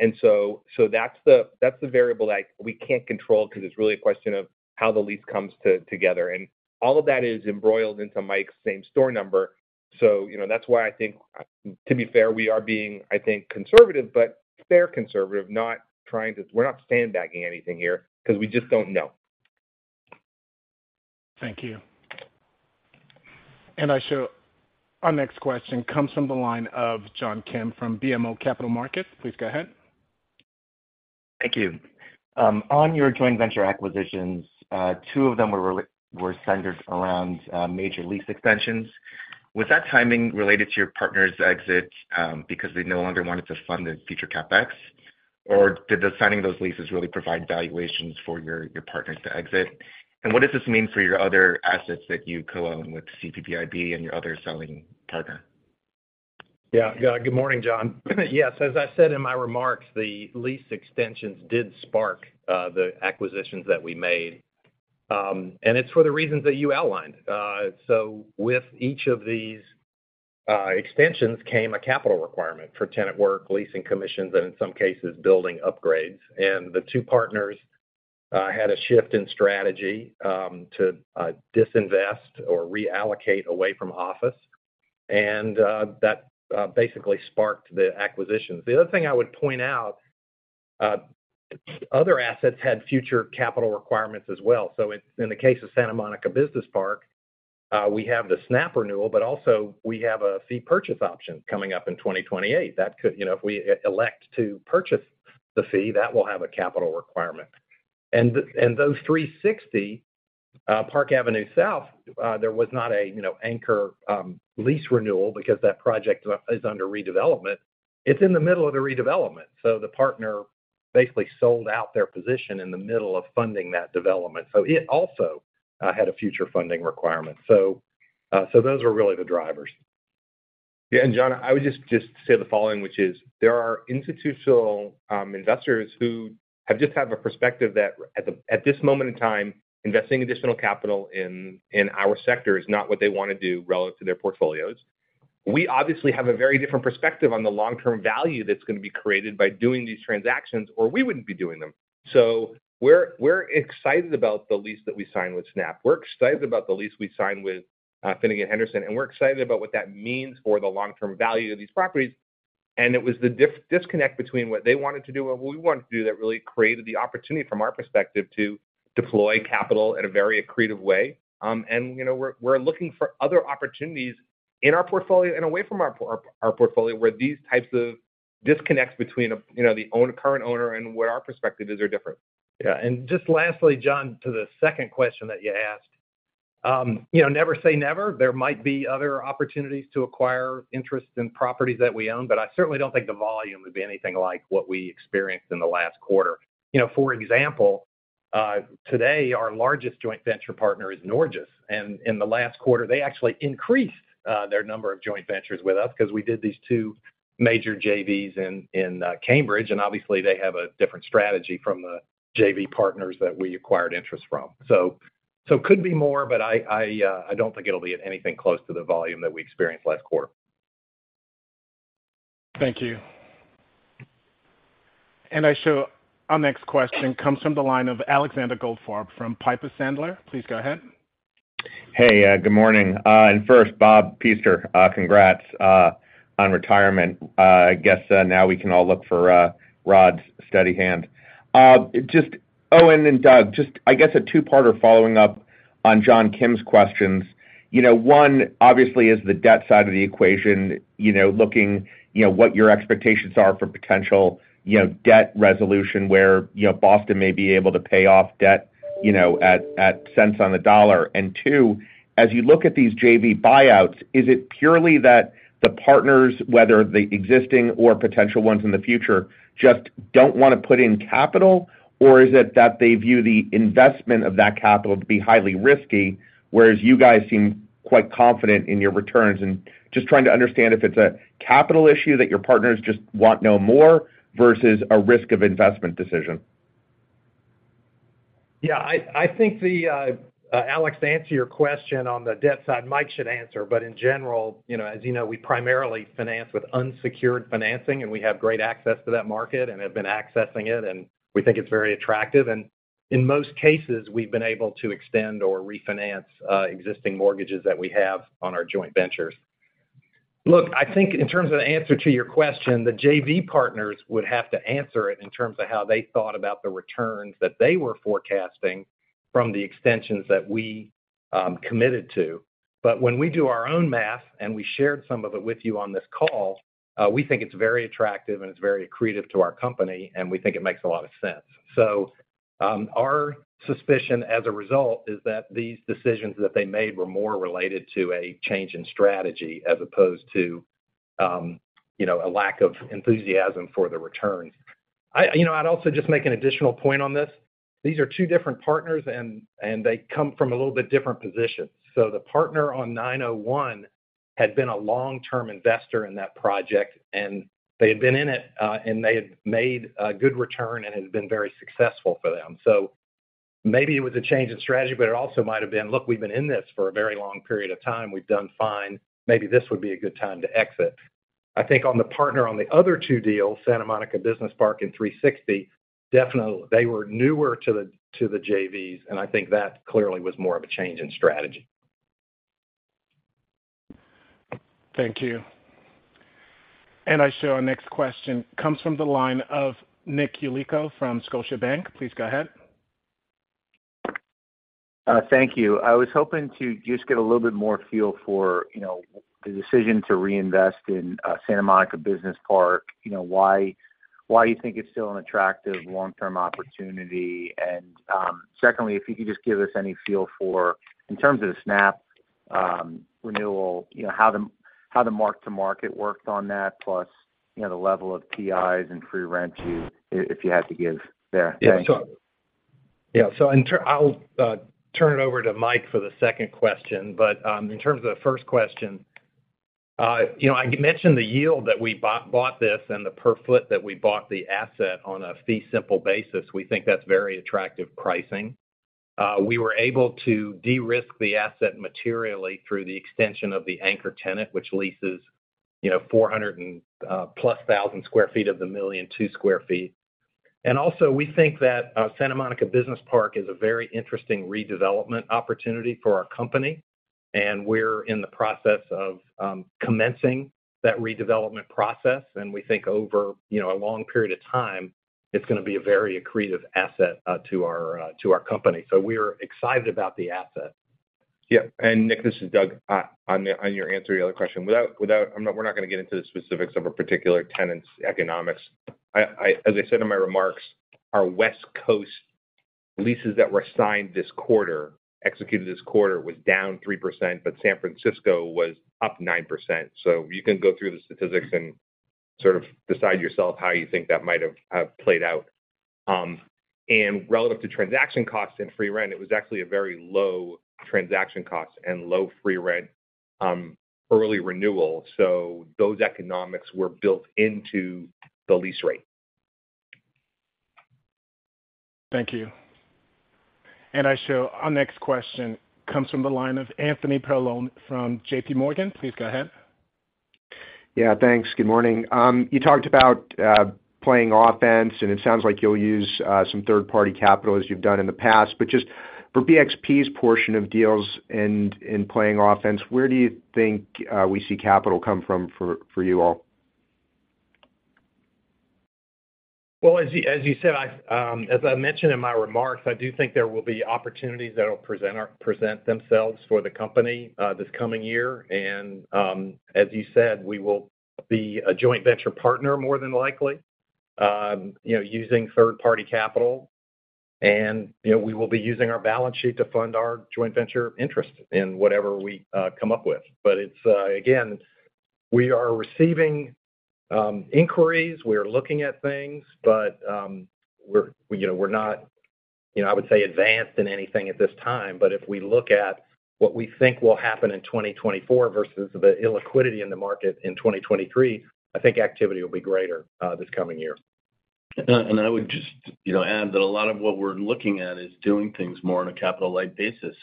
And so, that's the variable that we can't control because it's really a question of how the lease comes together, and all of that is embroiled into Mike's same-store number. So, you know, that's why I think, to be fair, we are being, I think, conservative, but fairly conservative, not trying to—we're not sandbagging anything here because we just don't know. Thank you. I show our next question comes from the line of John Kim from BMO Capital Markets. Please go ahead. Thank you. On your joint venture acquisitions, two of them were centered around major lease extensions. Was that timing related to your partner's exit, because they no longer wanted to fund the future CapEx? Or did the signing of those leases really provide valuations for your, your partners to exit? And what does this mean for your other assets that you co-own with CPPIB and your other selling partner? Yeah. Yeah, good morning, John. Yes, as I said in my remarks, the lease extensions did spark the acquisitions that we made, and it's for the reasons that you outlined. So with each of these extensions came a capital requirement for tenant work, leasing commissions, and in some cases, building upgrades. And the two partners had a shift in strategy to disinvest or reallocate away from office, and that basically sparked the acquisitions. The other thing I would point out, other assets had future capital requirements as well. So in the case of Santa Monica Business Park, we have the Snap renewal, but also we have a fee purchase option coming up in 2028. That could, you know, if we elect to purchase the fee, that will have a capital requirement. And those 360 Park Avenue South, there was not a, you know, anchor lease renewal because that project is under redevelopment. It's in the middle of the redevelopment, so the partner basically sold out their position in the middle of funding that development. So, so those were really the drivers. Yeah, and John, I would just, just say the following, which is, there are institutional investors who have just had the perspective that at this moment in time, investing additional capital in our sector is not what they wanna do relative to their portfolios. We obviously have a very different perspective on the long-term value that's gonna be created by doing these transactions, or we wouldn't be doing them. So we're excited about the lease that we signed with Snap. We're excited about the lease we signed with Finnegan Henderson, and we're excited about what that means for the long-term value of these properties. And it was the disconnect between what they wanted to do and what we wanted to do, that really created the opportunity from our perspective, to deploy capital in a very accretive way. You know, we're looking for other opportunities in our portfolio and away from our portfolio, where these types of disconnects between, you know, the current owner and what our perspective is, are different. Yeah, and just lastly, John, to the second question that you asked, you know, never say never. There might be other opportunities to acquire interest in properties that we own, but I certainly don't think the volume would be anything like what we experienced in the last quarter. You know, for example, today, our largest joint venture partner is Norges, and in the last quarter, they actually increased their number of joint ventures with us because we did these two major JVs in Cambridge, and obviously they have a different strategy from the JV partners that we acquired interest from. So could be more, but I don't think it'll be anything close to the volume that we experienced last quarter. Thank you. And I show our next question comes from the line of Alexander Goldfarb from Piper Sandler. Please go ahead. Hey, good morning. And first, Bob Pester, congrats on retirement. I guess, now we can all look for, Rod's steady hand. Just Owen and Doug, just I guess a two-parter following up on John Kim's questions. You know, one, obviously, is the debt side of the equation, you know, looking, you know, what your expectations are for potential, you know, debt resolution, where, you know, Boston may be able to pay off debt, you know, at cents on the dollar. And two, as you look at these JV buyouts, is it purely that the partners, whether the existing or potential ones in the future, just don't wanna put in capital? Or is it that they view the investment of that capital to be highly risky, whereas you guys seem quite confident in your returns? Just trying to understand if it's a capital issue that your partners just want know more versus a risk of investment decision? Yeah, I think the, Alex, to answer your question on the debt side, Mike should answer, but in general, you know, as you know, we primarily finance with unsecured financing, and we have great access to that market and have been accessing it, and we think it's very attractive. And in most cases, we've been able to extend or refinance existing mortgages that we have on our joint ventures. Look, I think in terms of the answer to your question, the JV partners would have to answer it in terms of how they thought about the returns that they were forecasting from the extensions that we committed to. But when we do our own math, and we shared some of it with you on this call, we think it's very attractive and it's very accretive to our company, and we think it makes a lot of sense. So, our suspicion, as a result, is that these decisions that they made were more related to a change in strategy, as opposed to, you know, a lack of enthusiasm for the returns. I, you know, I'd also just make an additional point on this. These are two different partners, and, and they come from a little bit different positions. So the partner on 901 had been a long-term investor in that project, and they had been in it, and they had made a good return, and it had been very successful for them. So maybe it was a change in strategy, but it also might have been, "Look, we've been in this for a very long period of time. We've done fine. Maybe this would be a good time to exit." I think on the partner on the other two deals, Santa Monica Business Park and 360, definitely, they were newer to the, to the JVs, and I think that clearly was more of a change in strategy. Thank you. Our next question comes from the line of Nick Yulico from Scotiabank. Please go ahead. Thank you. I was hoping to just get a little bit more feel for, you know, the decision to reinvest in Santa Monica Business Park. You know, why, why you think it's still an attractive long-term opportunity? And, secondly, if you could just give us any feel for, in terms of the Snap renewal, you know, how the mark-to-market worked on that, plus, you know, the level of TIs and free rent you if you had to give there. Thanks. Yeah, so, yeah. So I'll turn it over to Mike for the second question, but in terms of the first question, you know, I mentioned the yield that we bought this and the per foot that we bought the asset on a fee simple basis. We think that's very attractive pricing. We were able to de-risk the asset materially through the extension of the anchor tenant, which leases, you know, 400+ thousand sq ft of the 1.2 million sq ft. And also, we think that Santa Monica Business Park is a very interesting redevelopment opportunity for our company, and we're in the process of commencing that redevelopment process. And we think over, you know, a long period of time, it's gonna be a very accretive asset to our company. We're excited about the asset. Yeah, and Nick, this is Doug. On your answer to the other question. We're not gonna get into the specifics of a particular tenant's economics. As I said in my remarks, our West Coast leases that were signed this quarter, executed this quarter, was down 3%, but San Francisco was up 9%. So you can go through the statistics and sort of decide yourself how you think that might have played out. And relative to transaction costs and free rent, it was actually a very low transaction cost and low free rent, early renewal. So those economics were built into the lease rate. Thank you. I show our next question comes from the line of Anthony Paolone from JPMorgan. Please go ahead. Yeah, thanks. Good morning. You talked about playing offense, and it sounds like you'll use some third-party capital as you've done in the past. But just for BXP's portion of deals in playing offense, where do you think we see capital come from for you all? Well, as you said, I've, as I mentioned in my remarks, I do think there will be opportunities that will present themselves for the company, this coming year. And, as you said, we will be a joint venture partner more than likely, you know, using third-party capital. And, you know, we will be using our balance sheet to fund our joint venture interest in whatever we, come up with. But it's, again, we are receiving, inquiries. We are looking at things, but, we're, you know, we're not, you know, I would say, advanced in anything at this time. But if we look at what we think will happen in 2024 versus the illiquidity in the market in 2023, I think activity will be greater, this coming year. And I would just, you know, add that a lot of what we're looking at is doing things more on a capital-light basis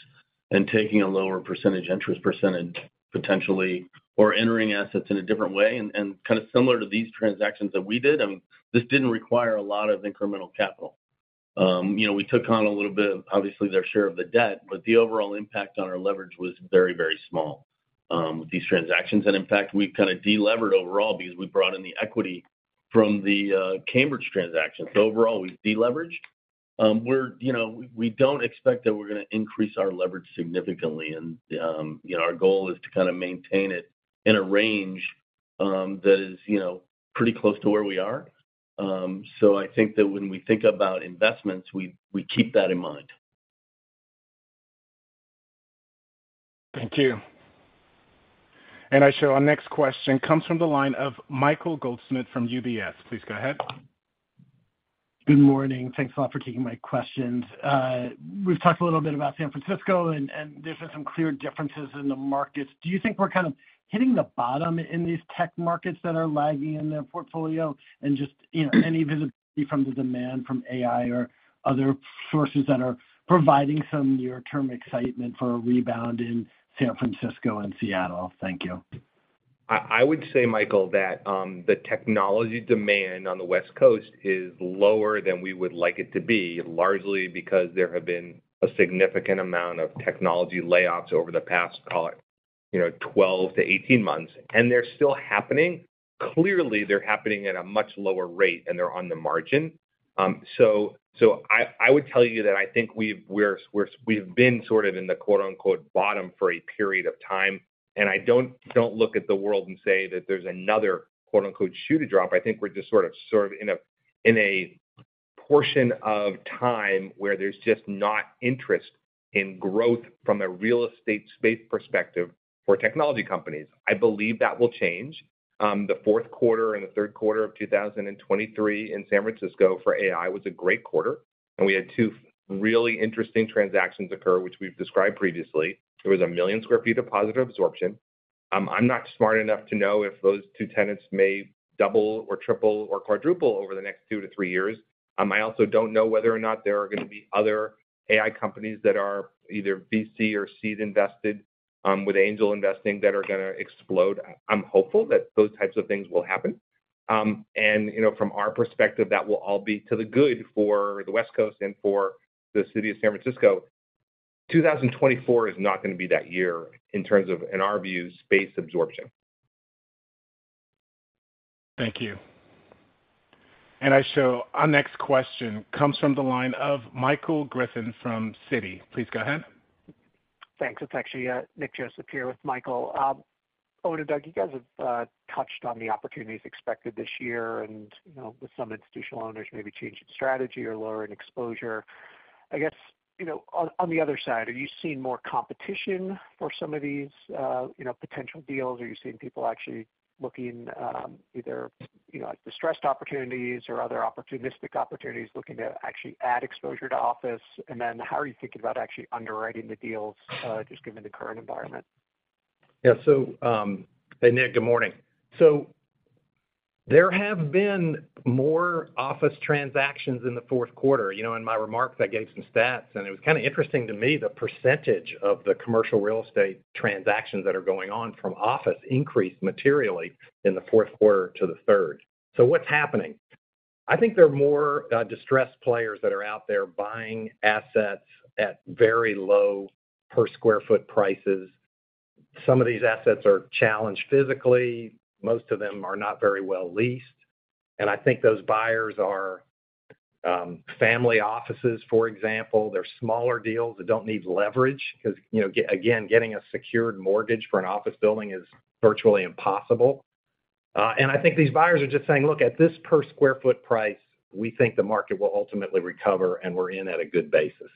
and taking a lower percentage, interest percentage, potentially, or entering assets in a different way. And kind of similar to these transactions that we did, this didn't require a lot of incremental capital. You know, we took on a little bit, obviously, their share of the debt, but the overall impact on our leverage was very, very small with these transactions. And in fact, we've kind of delevered overall because we brought in the equity from the Cambridge transaction. So overall, we've deleveraged. We're, you know, we don't expect that we're gonna increase our leverage significantly, and, you know, our goal is to kind of maintain it in a range that is, you know, pretty close to where we are. So I think that when we think about investments, we keep that in mind. Thank you. I show our next question comes from the line of Michael Goldsmith from UBS. Please go ahead. Good morning. Thanks a lot for taking my questions. We've talked a little bit about San Francisco, and there's been some clear differences in the markets. Do you think we're kind of hitting the bottom in these tech markets that are lagging in the portfolio? And just, you know, any visibility from the demand from AI or other sources that are providing some near-term excitement for a rebound in San Francisco and Seattle. Thank you. I would say, Michael, that the technology demand on the West Coast is lower than we would like it to be, largely because there have been a significant amount of technology layoffs over the past 12-18 months, and they're still happening. Clearly, they're happening at a much lower rate, and they're on the margin. So I would tell you that I think we've been sort of in the quote-unquote bottom for a period of time, and I don't look at the world and say that there's another quote-unquote shoe to drop. I think we're just sort of in a portion of time where there's just not interest in growth from a real estate space perspective for technology companies. I believe that will change. The fourth quarter and the third quarter of 2023 in San Francisco for AI was a great quarter, and we had two really interesting transactions occur, which we've described previously. There was 1 million sq ft of positive absorption. I'm not smart enough to know if those two tenants may double or triple or quadruple over the next two to three years. I also don't know whether or not there are gonna be other AI companies that are either VC or seed invested, with angel investing, that are gonna explode. I'm hopeful that those types of things will happen. And, you know, from our perspective, that will all be to the good for the West Coast and for the city of San Francisco. 2024 is not gonna be that year in terms of, in our view, space absorption. Thank you. I show our next question comes from the line of Michael Griffin from Citi. Please go ahead. Thanks. It's actually, Nick Joseph here with Michael. Owen and Doug, you guys have touched on the opportunities expected this year and, you know, with some institutional owners maybe changing strategy or lowering exposure. I guess, you know, on the other side, are you seeing more competition for some of these, you know, potential deals? Are you seeing people actually looking, either, you know, at distressed opportunities or other opportunistic opportunities, looking to actually add exposure to office? And then how are you thinking about actually underwriting the deals, just given the current environment? Yeah, so... Hey, Nick, good morning. So there have been more office transactions in the fourth quarter. You know, in my remarks, I gave some stats, and it was kind of interesting to me, the percentage of the commercial real estate transactions that are going on from office increased materially in the fourth quarter to the third. So what's happening? I think there are more distressed players that are out there buying assets at very low per sq ft prices. Some of these assets are challenged physically. Most of them are not very well leased. And I think those buyers are family offices, for example. They're smaller deals that don't need leverage because, you know, again, getting a secured mortgage for an office building is virtually impossible. And I think these buyers are just saying, "Look, at this per square foot price, we think the market will ultimately recover, and we're in at a good basis."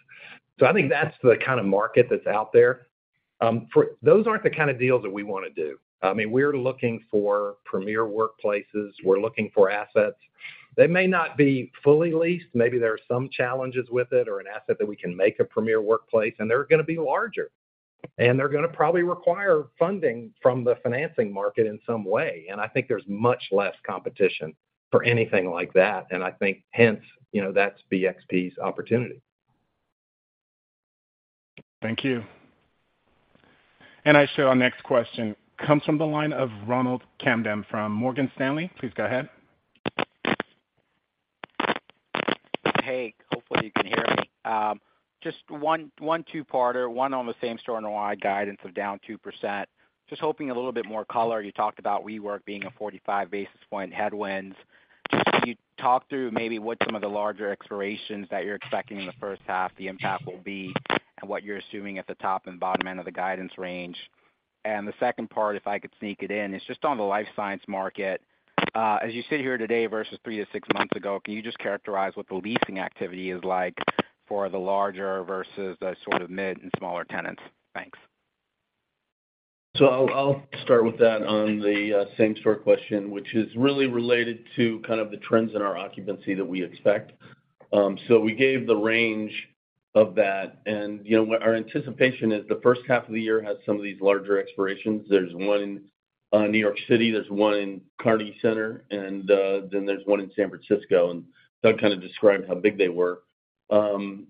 So I think that's the kind of market that's out there. For those aren't the kind of deals that we wanna do. I mean, we're looking for premier workplaces. We're looking for assets. They may not be fully leased, maybe there are some challenges with it or an asset that we can make a premier workplace, and they're gonna be larger. And they're gonna probably require funding from the financing market in some way. And I think there's much less competition for anything like that, and I think, hence, you know, that's BXP's opportunity. Thank you. Our next question comes from the line of Ronald Kamdem from Morgan Stanley. Please go ahead. Hey, hopefully you can hear me. Just one two-parter, one on the same-store NOI guidance of down 2%. Just hoping a little bit more color. You talked about WeWork being a 45 basis point headwinds. Can you talk through maybe what some of the larger expirations that you're expecting in the first half, the impact will be, and what you're assuming at the top and bottom end of the guidance range? And the second part, if I could sneak it in, is just on the life science market. As you sit here today versus 3-6 months ago, can you just characterize what the leasing activity is like for the larger versus the sort of mid and smaller tenants? Thanks. So I'll start with that on the same-store question, which is really related to kind of the trends in our occupancy that we expect. So we gave the range of that, and, you know, what our anticipation is, the first half of the year has some of these larger expirations. There's one in New York City, there's one in Carnegie Center, and then there's one in San Francisco, and Doug kind of described how big they were. And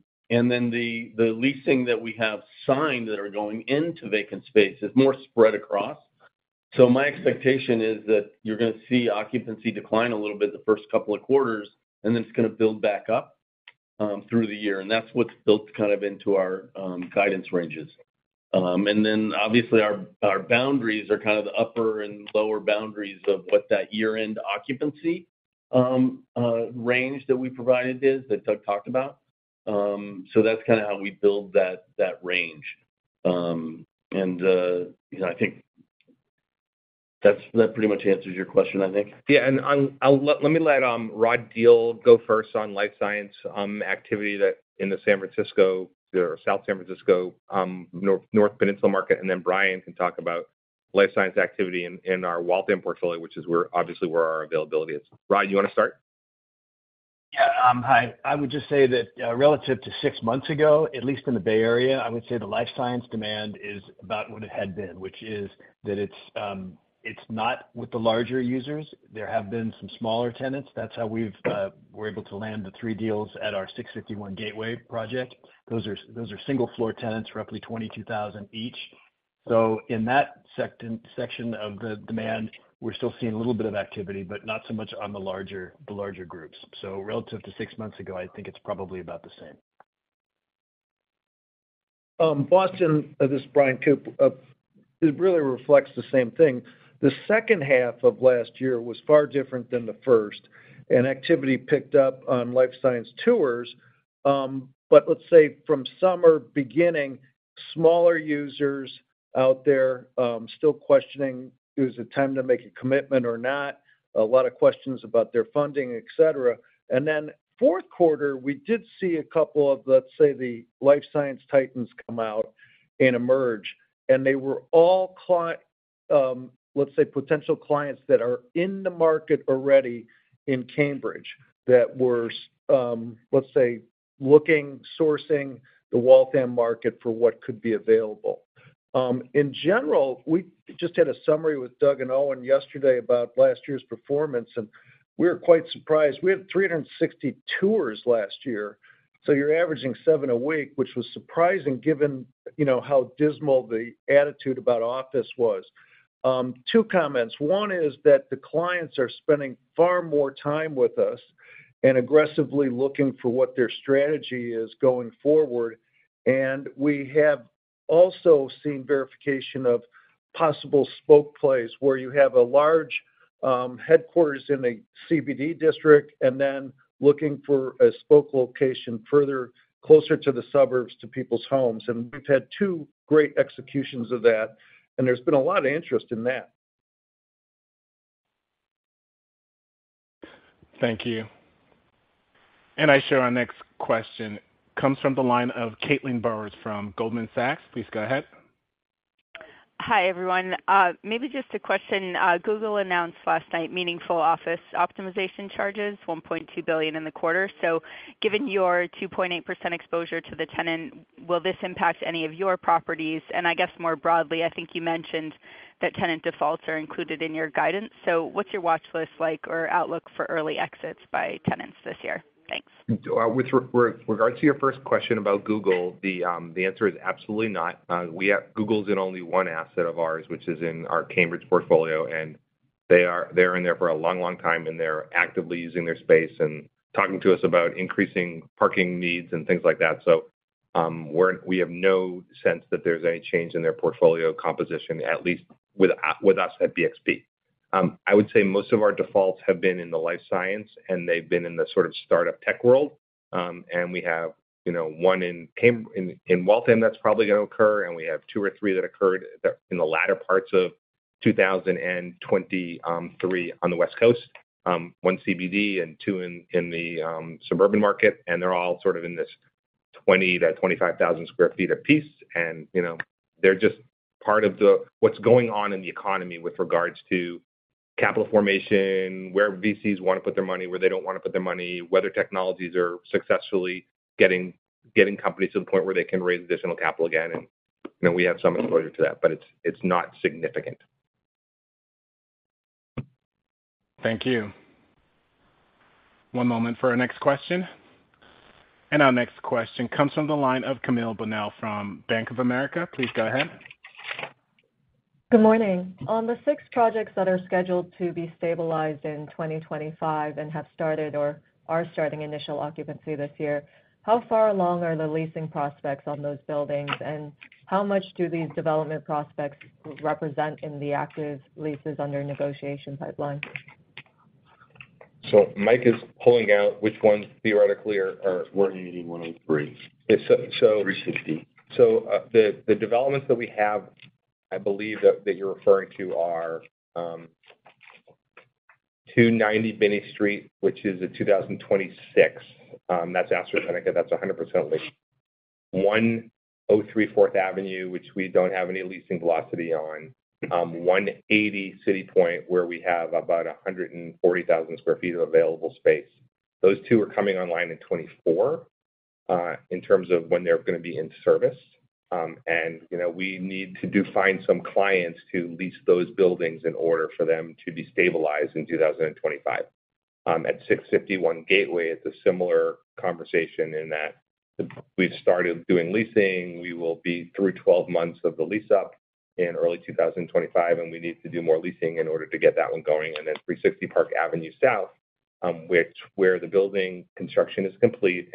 then the leasing that we have signed that are going into vacant space is more spread across. So my expectation is that you're gonna see occupancy decline a little bit the first couple of quarters, and then it's gonna build back up through the year. And that's what's built kind of into our guidance ranges. And then, obviously, our boundaries are kind of the upper and lower boundaries of what that year-end occupancy range that we provided is, that Doug talked about. So that's kind of how we build that range. And, you know, I think that's that pretty much answers your question, I think. Yeah, and on—I'll let Rod Diehl go first on life science activity in the San Francisco or South San Francisco, Northern Peninsula market, and then Bryan can talk about life science activity in our Waltham portfolio, which is where, obviously, our availability is. Rod, you want to start? Yeah, hi. I would just say that relative to six months ago, at least in the Bay Area, I would say the life science demand is about what it had been, which is that it's, it's not with the larger users. There have been some smaller tenants. That's how we've, we're able to land the three deals at our 651 Gateway project. Those are, those are single-floor tenants, roughly 22,000 each. So in that section of the demand, we're still seeing a little bit of activity, but not so much on the larger, the larger groups. So relative to six months ago, I think it's probably about the same. Boston, this is Bryan Koop. It really reflects the same thing. The second half of last year was far different than the first, and activity picked up on life science tours. But let's say smaller users out there still questioning, is it time to make a commitment or not? A lot of questions about their funding, et cetera. And then fourth quarter, we did see a couple of, let's say, the life science titans come out and emerge, and they were all, let's say, potential clients that are in the market already in Cambridge, that were, let's say, looking, sourcing the Waltham market for what could be available. In general, we just had a summary with Doug and Owen yesterday about last year's performance, and we were quite surprised. We had 360 tours last year, so you're averaging seven a week, which was surprising given, you know, how dismal the attitude about office was. Two comments. One is that the clients are spending far more time with us and aggressively looking for what their strategy is going forward. And we have also seen verification of possible spoke plays, where you have a large headquarters in a CBD district and then looking for a spoke location further, closer to the suburbs, to people's homes. And we've had two great executions of that, and there's been a lot of interest in that. Thank you. I show our next question comes from the line of Caitlin Burrows from Goldman Sachs. Please go ahead. Hi, everyone. Maybe just a question. Google announced last night meaningful office optimization charges, $1.2 billion in the quarter. So given your 2.8% exposure to the tenant, will this impact any of your properties? And I guess more broadly, I think you mentioned that tenant defaults are included in your guidance. So what's your watch list like or outlook for early exits by tenants this year? Thanks. With regards to your first question about Google, the answer is absolutely not. Google's in only one asset of ours, which is in our Cambridge portfolio, and they are—they're in there for a long, long time, and they're actively using their space and talking to us about increasing parking needs and things like that. So, we're—we have no sense that there's any change in their portfolio composition, at least with us at BXP. I would say most of our defaults have been in the life science, and they've been in the sort of startup tech world. </transcript And we have, you know, one in Cambridge, in Waltham that's probably going to occur, and we have two or three that occurred in the latter parts of 2023 on the West Coast, one CBD and two in the suburban market. And they're all sort of in this 20-25,000 sq ft apiece. And, you know, they're just part of the, what's going on in the economy with regards to capital formation, where VCs want to put their money, where they don't want to put their money, whether technologies are successfully getting companies to the point where they can raise additional capital again. And, you know, we have some exposure to that, but it's not significant. Thank you. One moment for our next question. Our next question comes from the line of Camille Bonnel from Bank of America. Please go ahead. Good morning. On the six projects that are scheduled to be stabilized in 2025 and have started or are starting initial occupancy this year, how far along are the leasing prospects on those buildings, and how much do these development prospects represent in the active leases under negotiation pipeline? So Mike is pulling out which ones theoretically are. 180, 103s. Yeah, so. Three sixty. So, the developments that we have, I believe that you're referring to are, 290 Binney Street, which is a 2026. That's AstraZeneca. That's 100% leased. 103 Fourth Avenue, which we don't have any leasing velocity on. 180 CityPoint, where we have about 140,000 sq ft of available space. Those two are coming online in 2024, in terms of when they're going to be in service. And, you know, we need to find some clients to lease those buildings in order for them to be stabilized in 2025. At 651 Gateway, it's a similar conversation in that we've started doing leasing. We will be through 12 months of the lease up in early 2025, and we need to do more leasing in order to get that one going. And then 360 Park Avenue South, where the building construction is complete,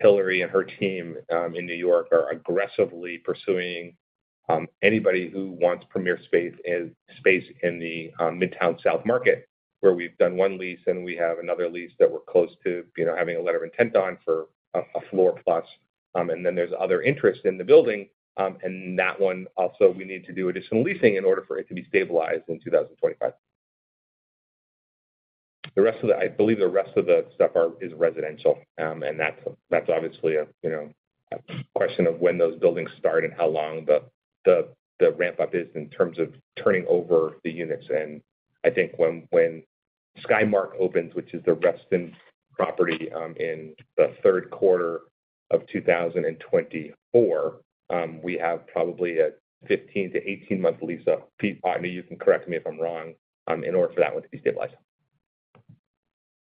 and Hilary and her team in New York are aggressively pursuing anybody who wants premier space in the Midtown South market, where we've done one lease, and we have another lease that we're close to, you know, having a letter of intent on for a floor plus. And then there's other interest in the building, and that one also, we need to do additional leasing in order for it to be stabilized in 2025. The rest of the... I believe the rest of the stuff are is residential, and that's obviously a, you know, a question of when those buildings start and how long the ramp up is in terms of turning over the units. And I think when Skymark opens, which is the Reston property, in the third quarter of 2024, we have probably a 15- to 18-month lease up. Pete, I mean, you can correct me if I'm wrong, in order for that one to be stabilized.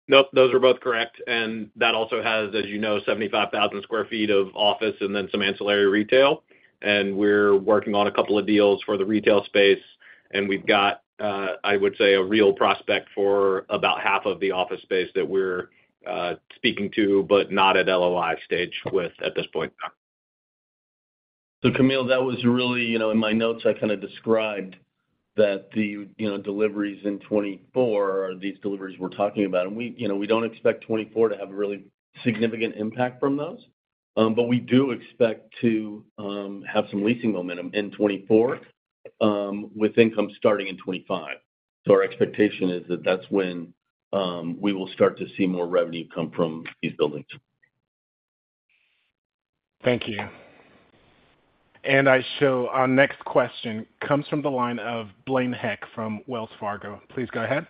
Nope, those are both correct. And that also has, as you know, 75,000 sq ft of office and then some ancillary retail. And we're working on a couple of deals for the retail space, and we've got, I would say, a real prospect for about half of the office space that we're speaking to, but not at LOI stage with at this point in time. So Camille, that was really, you know, in my notes, I kind of described That the, you know, deliveries in 2024 are these deliveries we're talking about. And we, you know, we don't expect 2024 to have a really significant impact from those. But we do expect to have some leasing momentum in 2024, with income starting in 2025. So our expectation is that that's when we will start to see more revenue come from these buildings. Thank you. I show our next question comes from the line of Blaine Heck from Wells Fargo. Please go ahead.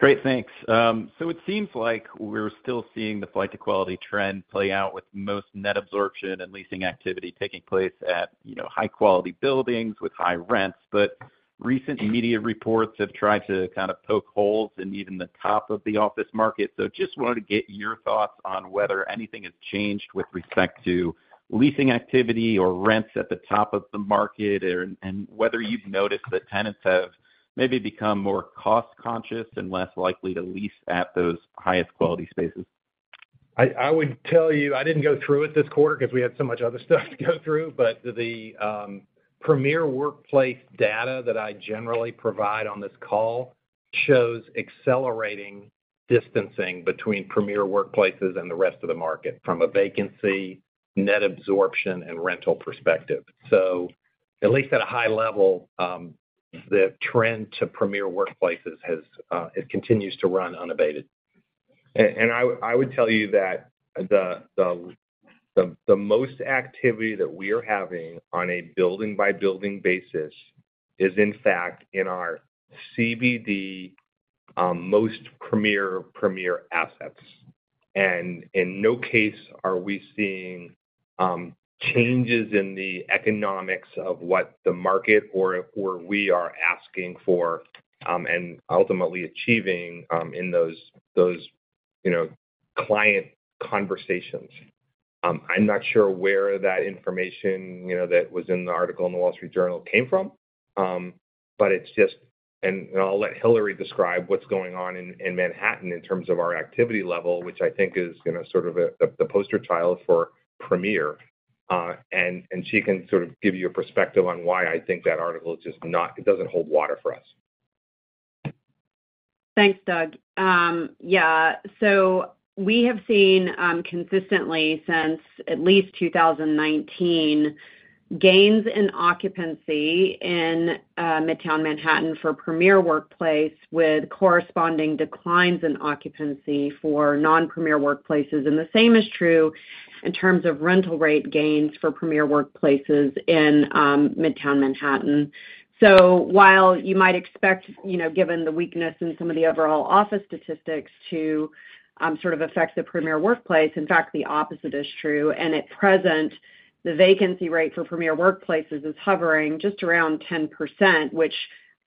Great, thanks. So it seems like we're still seeing the flight to quality trend play out with most net absorption and leasing activity taking place at, you know, high-quality buildings with high rents. But recent immediate reports have tried to kind of poke holes in even the top of the office market. So just wanted to get your thoughts on whether anything has changed with respect to leasing activity or rents at the top of the market, and whether you've noticed that tenants have maybe become more cost conscious and less likely to lease at those highest quality spaces. I would tell you, I didn't go through it this quarter because we had so much other stuff to go through. But the Premier Workplace data that I generally provide on this call shows accelerating distancing between Premier Workplaces and the rest of the market, from a vacancy, net absorption, and rental perspective. So at least at a high level, the trend to Premier Workplaces has it continues to run unabated. And I would tell you that the most activity that we are having on a building-by-building basis is, in fact, in our CBD most Premier assets. And in no case are we seeing changes in the economics of what the market or we are asking for, and ultimately achieving, in those, those, you know, client conversations. I'm not sure where that information, you know, that was in the article in The Wall Street Journal came from, but it's just... And I'll let Hilary describe what's going on in Manhattan in terms of our activity level, which I think is, you know, sort of the poster child for premier. And she can sort of give you a perspective on why I think that article is just not-- it doesn't hold water for us. Thanks, Doug. Yeah, so we have seen consistently, since at least 2019, gains in occupancy in Midtown Manhattan for Premier Workplace, with corresponding declines in occupancy for non-Premier Workplace, and the same is true in terms of rental rate gains for Premier Workplace in Midtown Manhattan. So while you might expect, you know, given the weakness in some of the overall office statistics to sort of affect the Premier Workplace, in fact, the opposite is true. And at present, the vacancy rate for Premier Workplace is hovering just around 10%, which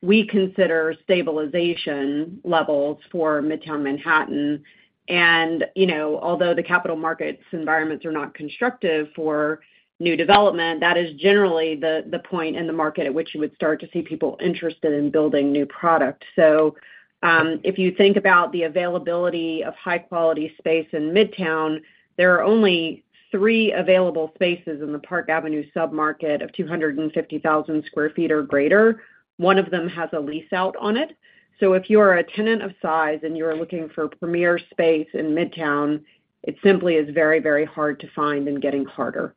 we consider stabilization levels for Midtown Manhattan. And, you know, although the capital markets environments are not constructive for new development, that is generally the point in the market at which you would start to see people interested in building new product. So, if you think about the availability of high-quality space in Midtown, there are only three available spaces in the Park Avenue submarket of 250,000 sq ft or greater. One of them has a lease out on it. So if you are a tenant of size, and you are looking for Premier space in Midtown, it simply is very, very hard to find and getting harder.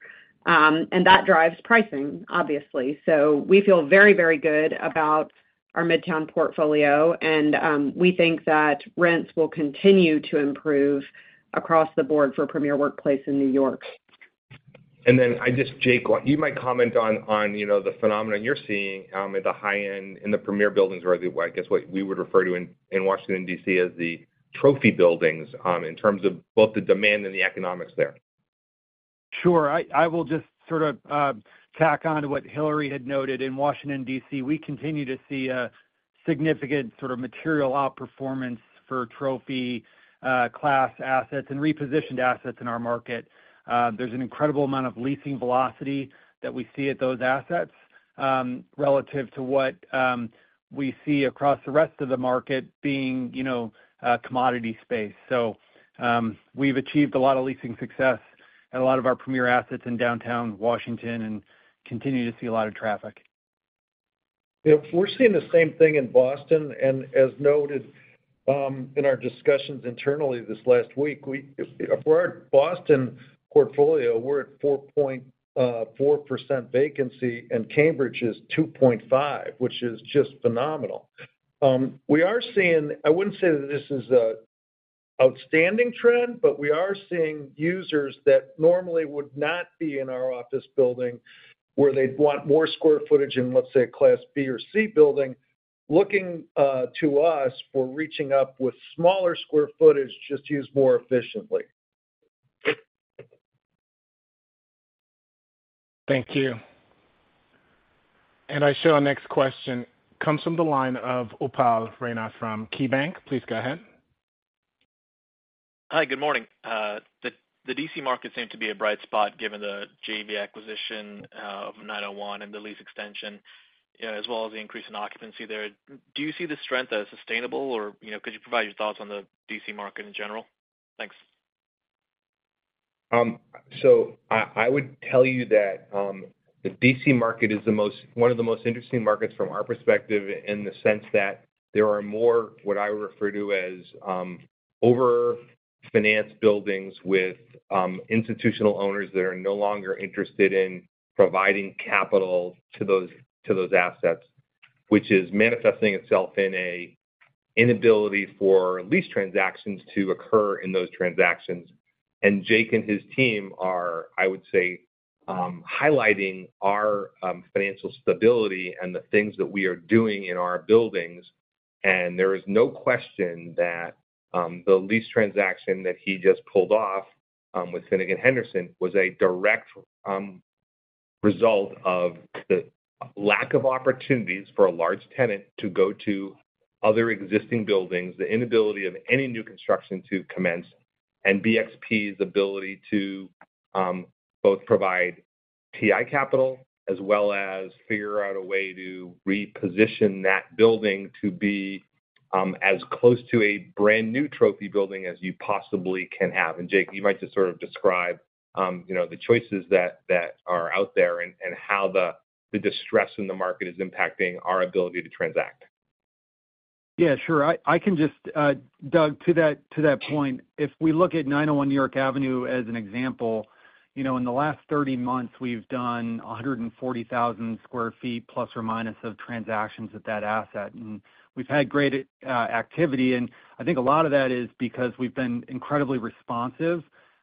And that drives pricing, obviously. So we feel very, very good about our Midtown portfolio, and, we think that rents will continue to improve across the board for Premier Workplace in New York. And then I just, Jake, you might comment on, you know, the phenomenon you're seeing at the high end in the premier buildings, or I guess what we would refer to in Washington, D.C., as the trophy buildings in terms of both the demand and the economics there. Sure. I will just sort of tack on to what Hilary had noted. In Washington, D.C., we continue to see a significant sort of material outperformance for trophy class assets and repositioned assets in our market. There's an incredible amount of leasing velocity that we see at those assets relative to what we see across the rest of the market being, you know, commodity space. So, we've achieved a lot of leasing success at a lot of our premier assets in downtown Washington and continue to see a lot of traffic. Yeah, we're seeing the same thing in Boston. And as noted, in our discussions internally this last week, we for our Boston portfolio, we're at 4.4% vacancy, and Cambridge is 2.5%, which is just phenomenal. We are seeing... I wouldn't say that this is a outstanding trend, but we are seeing users that normally would not be in our office building, where they'd want more square footage in, let's say, a Class B or C building, looking to us for reaching up with smaller square footage, just used more efficiently. Thank you. And I show our next question comes from the line of Upal Rana from KeyBanc. Please go ahead. Hi, good morning. The D.C. market seemed to be a bright spot, given the JV acquisition of 901 and the lease extension, as well as the increase in occupancy there. Do you see the strength as sustainable, or, you know, could you provide your thoughts on the D.C. market in general? Thanks.... So I, I would tell you that, the D.C. market is the most, one of the most interesting markets from our perspective, in the sense that there are more, what I refer to as, over-financed buildings with, institutional owners that are no longer interested in providing capital to those, to those assets. Which is manifesting itself in a inability for lease transactions to occur in those transactions. And Jake and his team are, I would say, highlighting our, financial stability and the things that we are doing in our buildings. And there is no question that, the lease transaction that he just pulled off, with Finnegan Henderson, was a direct, result of the lack of opportunities for a large tenant to go to other existing buildings, the inability of any new construction to commence, and BXP's ability to, both provide TI capital, as well as figure out a way to reposition that building to be, as close to a brand-new trophy building as you possibly can have. And Jake, you might just sort of describe, you know, the choices that, that are out there, and, and how the, the distress in the market is impacting our ability to transact. Yeah, sure. I can just, Doug, to that point, if we look at 901 New York Avenue as an example, you know, in the last 30 months, we've done 140,000 sq ft, plus or minus, of transactions at that asset. And we've had great activity, and I think a lot of that is because we've been incredibly responsive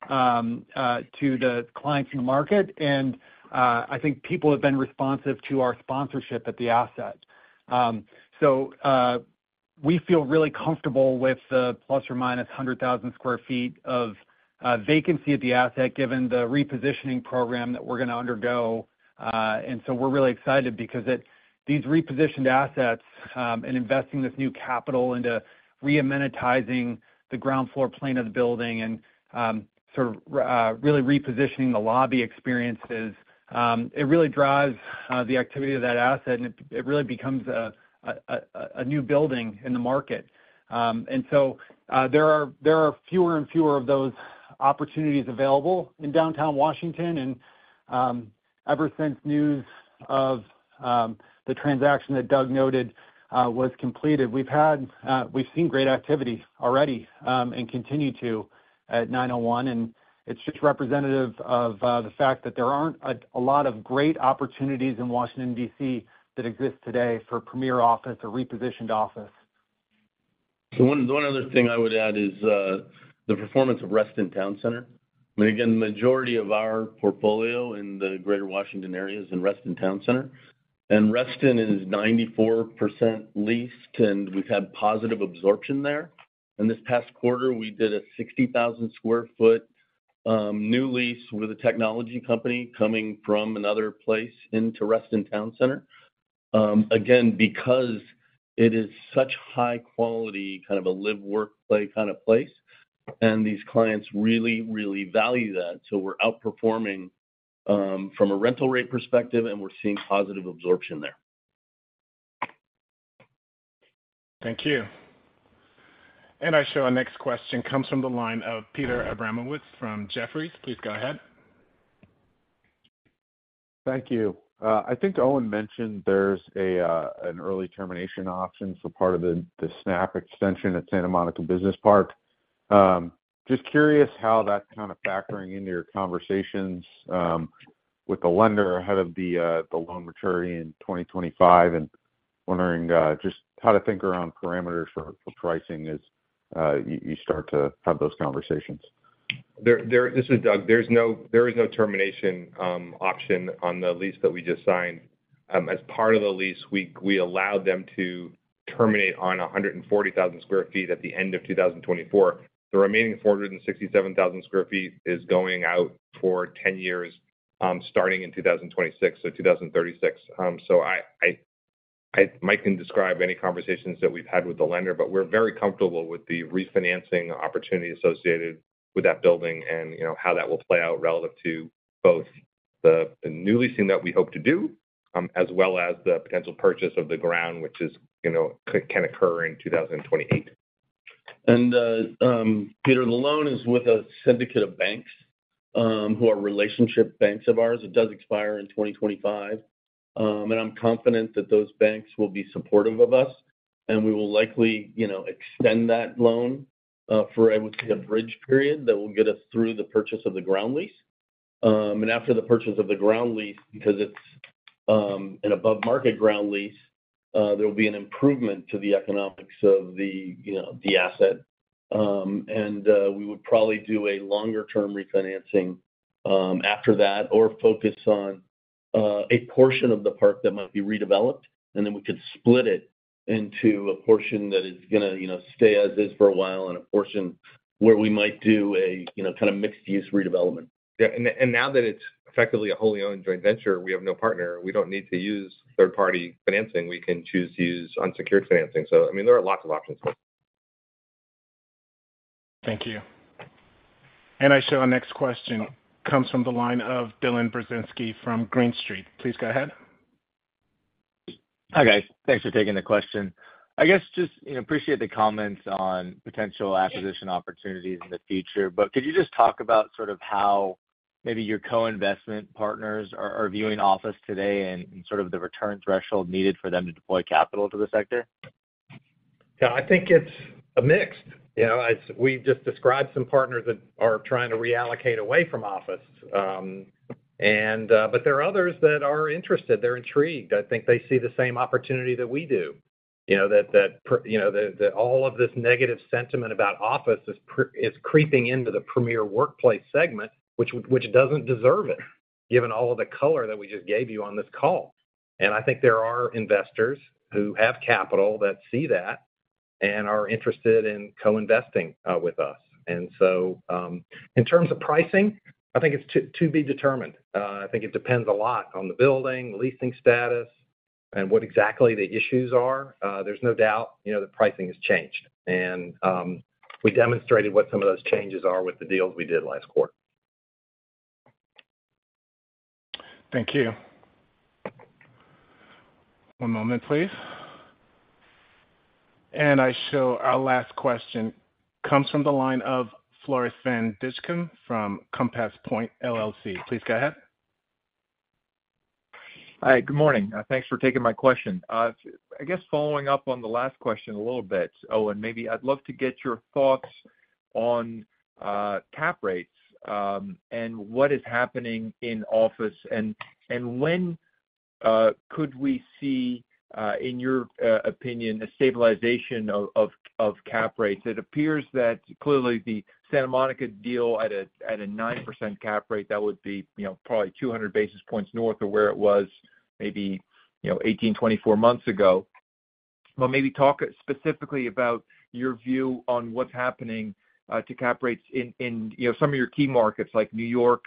to the clients in the market. And I think people have been responsive to our sponsorship at the asset. So, we feel really comfortable with the ±100,000 sq ft of vacancy at the asset, given the repositioning program that we're gonna undergo. And so we're really excited because these repositioned assets, and investing this new capital into re-amenitizing the ground floor plan of the building and, sort of, really repositioning the lobby experiences, it really drives the activity of that asset, and it really becomes a new building in the market. So, there are fewer and fewer of those opportunities available in downtown Washington. And, ever since news of the transaction that Doug noted was completed, we've seen great activity already, and continue to at 901. And it's just representative of the fact that there aren't a lot of great opportunities in Washington, D.C., that exist today for premier office or repositioned office. So one other thing I would add is the performance of Reston Town Center. I mean, again, the majority of our portfolio in the greater Washington area is in Reston Town Center, and Reston is 94% leased, and we've had positive absorption there. In this past quarter, we did a 60,000 sq ft new lease with a technology company coming from another place into Reston Town Center. Again, because it is such high quality, kind of a live, work, play kind of place, and these clients really, really value that. So we're outperforming from a rental rate perspective, and we're seeing positive absorption there. Thank you. I show our next question comes from the line of Peter Abramowitz from Jefferies. Please go ahead. Thank you. I think Owen mentioned there's an early termination option, so part of the Snap extension at Santa Monica Business Park. Just curious how that's kind of factoring into your conversations with the lender ahead of the loan maturity in 2025. And wondering just how to think around parameters for pricing as you start to have those conversations. This is Doug. There is no termination option on the lease that we just signed. As part of the lease, we allowed them to terminate 140,000 sq ft at the end of 2024. The remaining 467,000 sq ft is going out for 10 years, starting in 2026 to 2036. So Mike can describe any conversations that we've had with the lender, but we're very comfortable with the refinancing opportunity associated with that building and, you know, how that will play out relative to both the new leasing that we hope to do, as well as the potential purchase of the ground, which, you know, can occur in 2028. Peter, the loan is with a syndicate of banks, who are relationship banks of ours. It does expire in 2025, and I'm confident that those banks will be supportive of us, and we will likely, you know, extend that loan for, I would say, a bridge period that will get us through the purchase of the ground lease. And after the purchase of the ground lease, because it's an above-market ground lease, there will be an improvement to the economics of the, you know, the asset. And we would probably do a longer-term refinancing after that, or focus on a portion of the park that might be redeveloped, and then we could split it into a portion that is gonna, you know, stay as is for a while, and a portion where we might do a, you know, kind of mixed-use redevelopment. Yeah, and now that it's effectively a wholly-owned joint venture, we have no partner. We don't need to use third-party financing. We can choose to use unsecured financing. So I mean, there are lots of options. Thank you. Our next question comes from the line of Dylan Burzinski from Green Street. Please go ahead. Hi, guys. Thanks for taking the question. I guess just, you know, appreciate the comments on potential acquisition opportunities in the future, but could you just talk about sort of how maybe your co-investment partners are viewing office today and sort of the return threshold needed for them to deploy capital to the sector? Yeah, I think it's a mix. You know, as we've just described some partners that are trying to reallocate away from office. But there are others that are interested. They're intrigued. I think they see the same opportunity that we do. You know, that all of this negative sentiment about office is creeping into the Premier Workplace segment, which doesn't deserve it, given all of the color that we just gave you on this call. And I think there are investors who have capital that see that and are interested in co-investing with us. And so, in terms of pricing, I think it's to be determined. I think it depends a lot on the building, the leasing status, and what exactly the issues are. There's no doubt, you know, the pricing has changed. We demonstrated what some of those changes are with the deals we did last quarter. Thank you. One moment, please. I show our last question comes from the line of Floris van Dijkum from Compass Point LLC. Please go ahead. Hi, good morning. Thanks for taking my question. I guess following up on the last question a little bit, Owen, maybe I'd love to get your thoughts on cap rates, and what is happening in office, and when could we see, in your opinion, a stabilization of cap rates? It appears that clearly, the Santa Monica deal at a 9% cap rate, that would be, you know, probably 200 basis points north of where it was maybe, you know, 18, 24 months ago. Well, maybe talk specifically about your view on what's happening to cap rates in, you know, some of your key markets, like New York,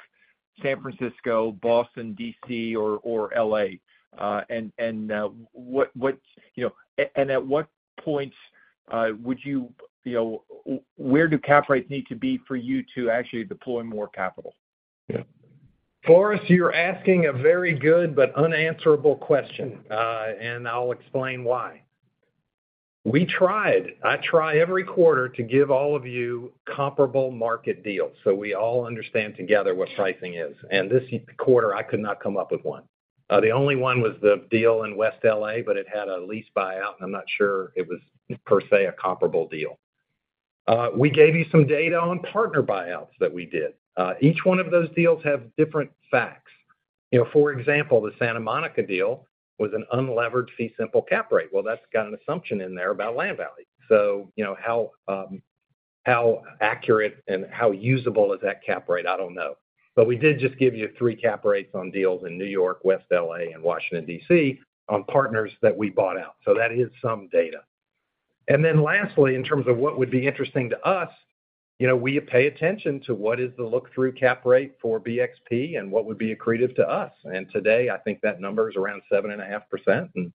San Francisco, Boston, D.C., or L.A. And what... You know, and, and at what points, would you, you know, where do cap rates need to be for you to actually deploy more capital? Floris, you're asking a very good but unanswerable question, and I'll explain why. We tried. I try every quarter to give all of you comparable market deals, so we all understand together what pricing is, and this quarter, I could not come up with one. The only one was the deal in West L.A., but it had a lease buyout, and I'm not sure it was, per se, a comparable deal. We gave you some data on partner buyouts that we did. Each one of those deals have different facts. You know, for example, the Santa Monica deal was an unlevered, fee simple cap rate. Well, that's got an assumption in there about land value. So, you know, how, how accurate and how usable is that cap rate? I don't know. But we did just give you three cap rates on deals in New York, West L.A., and Washington, D.C., on partners that we bought out. So that is some data. And then lastly, in terms of what would be interesting to us, you know, we pay attention to what is the look-through cap rate for BXP and what would be accretive to us. And today, I think that number is around 7.5%. And,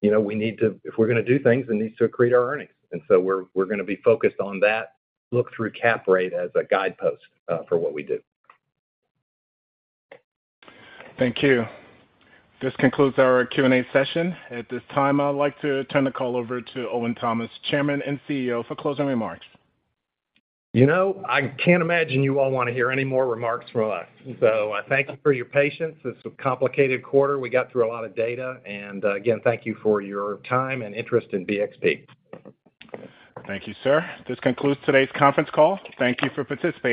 you know, we need to... If we're gonna do things, it needs to accrete our earnings. And so we're, we're gonna be focused on that look-through cap rate as a guidepost, for what we do. Thank you. This concludes our Q&A session. At this time, I'd like to turn the call over to Owen Thomas, Chairman and CEO, for closing remarks. You know, I can't imagine you all wanna hear any more remarks from us, so I thank you for your patience. It's a complicated quarter. We got through a lot of data. And, again, thank you for your time and interest in BXP. Thank you, sir. This concludes today's conference call. Thank you for participating.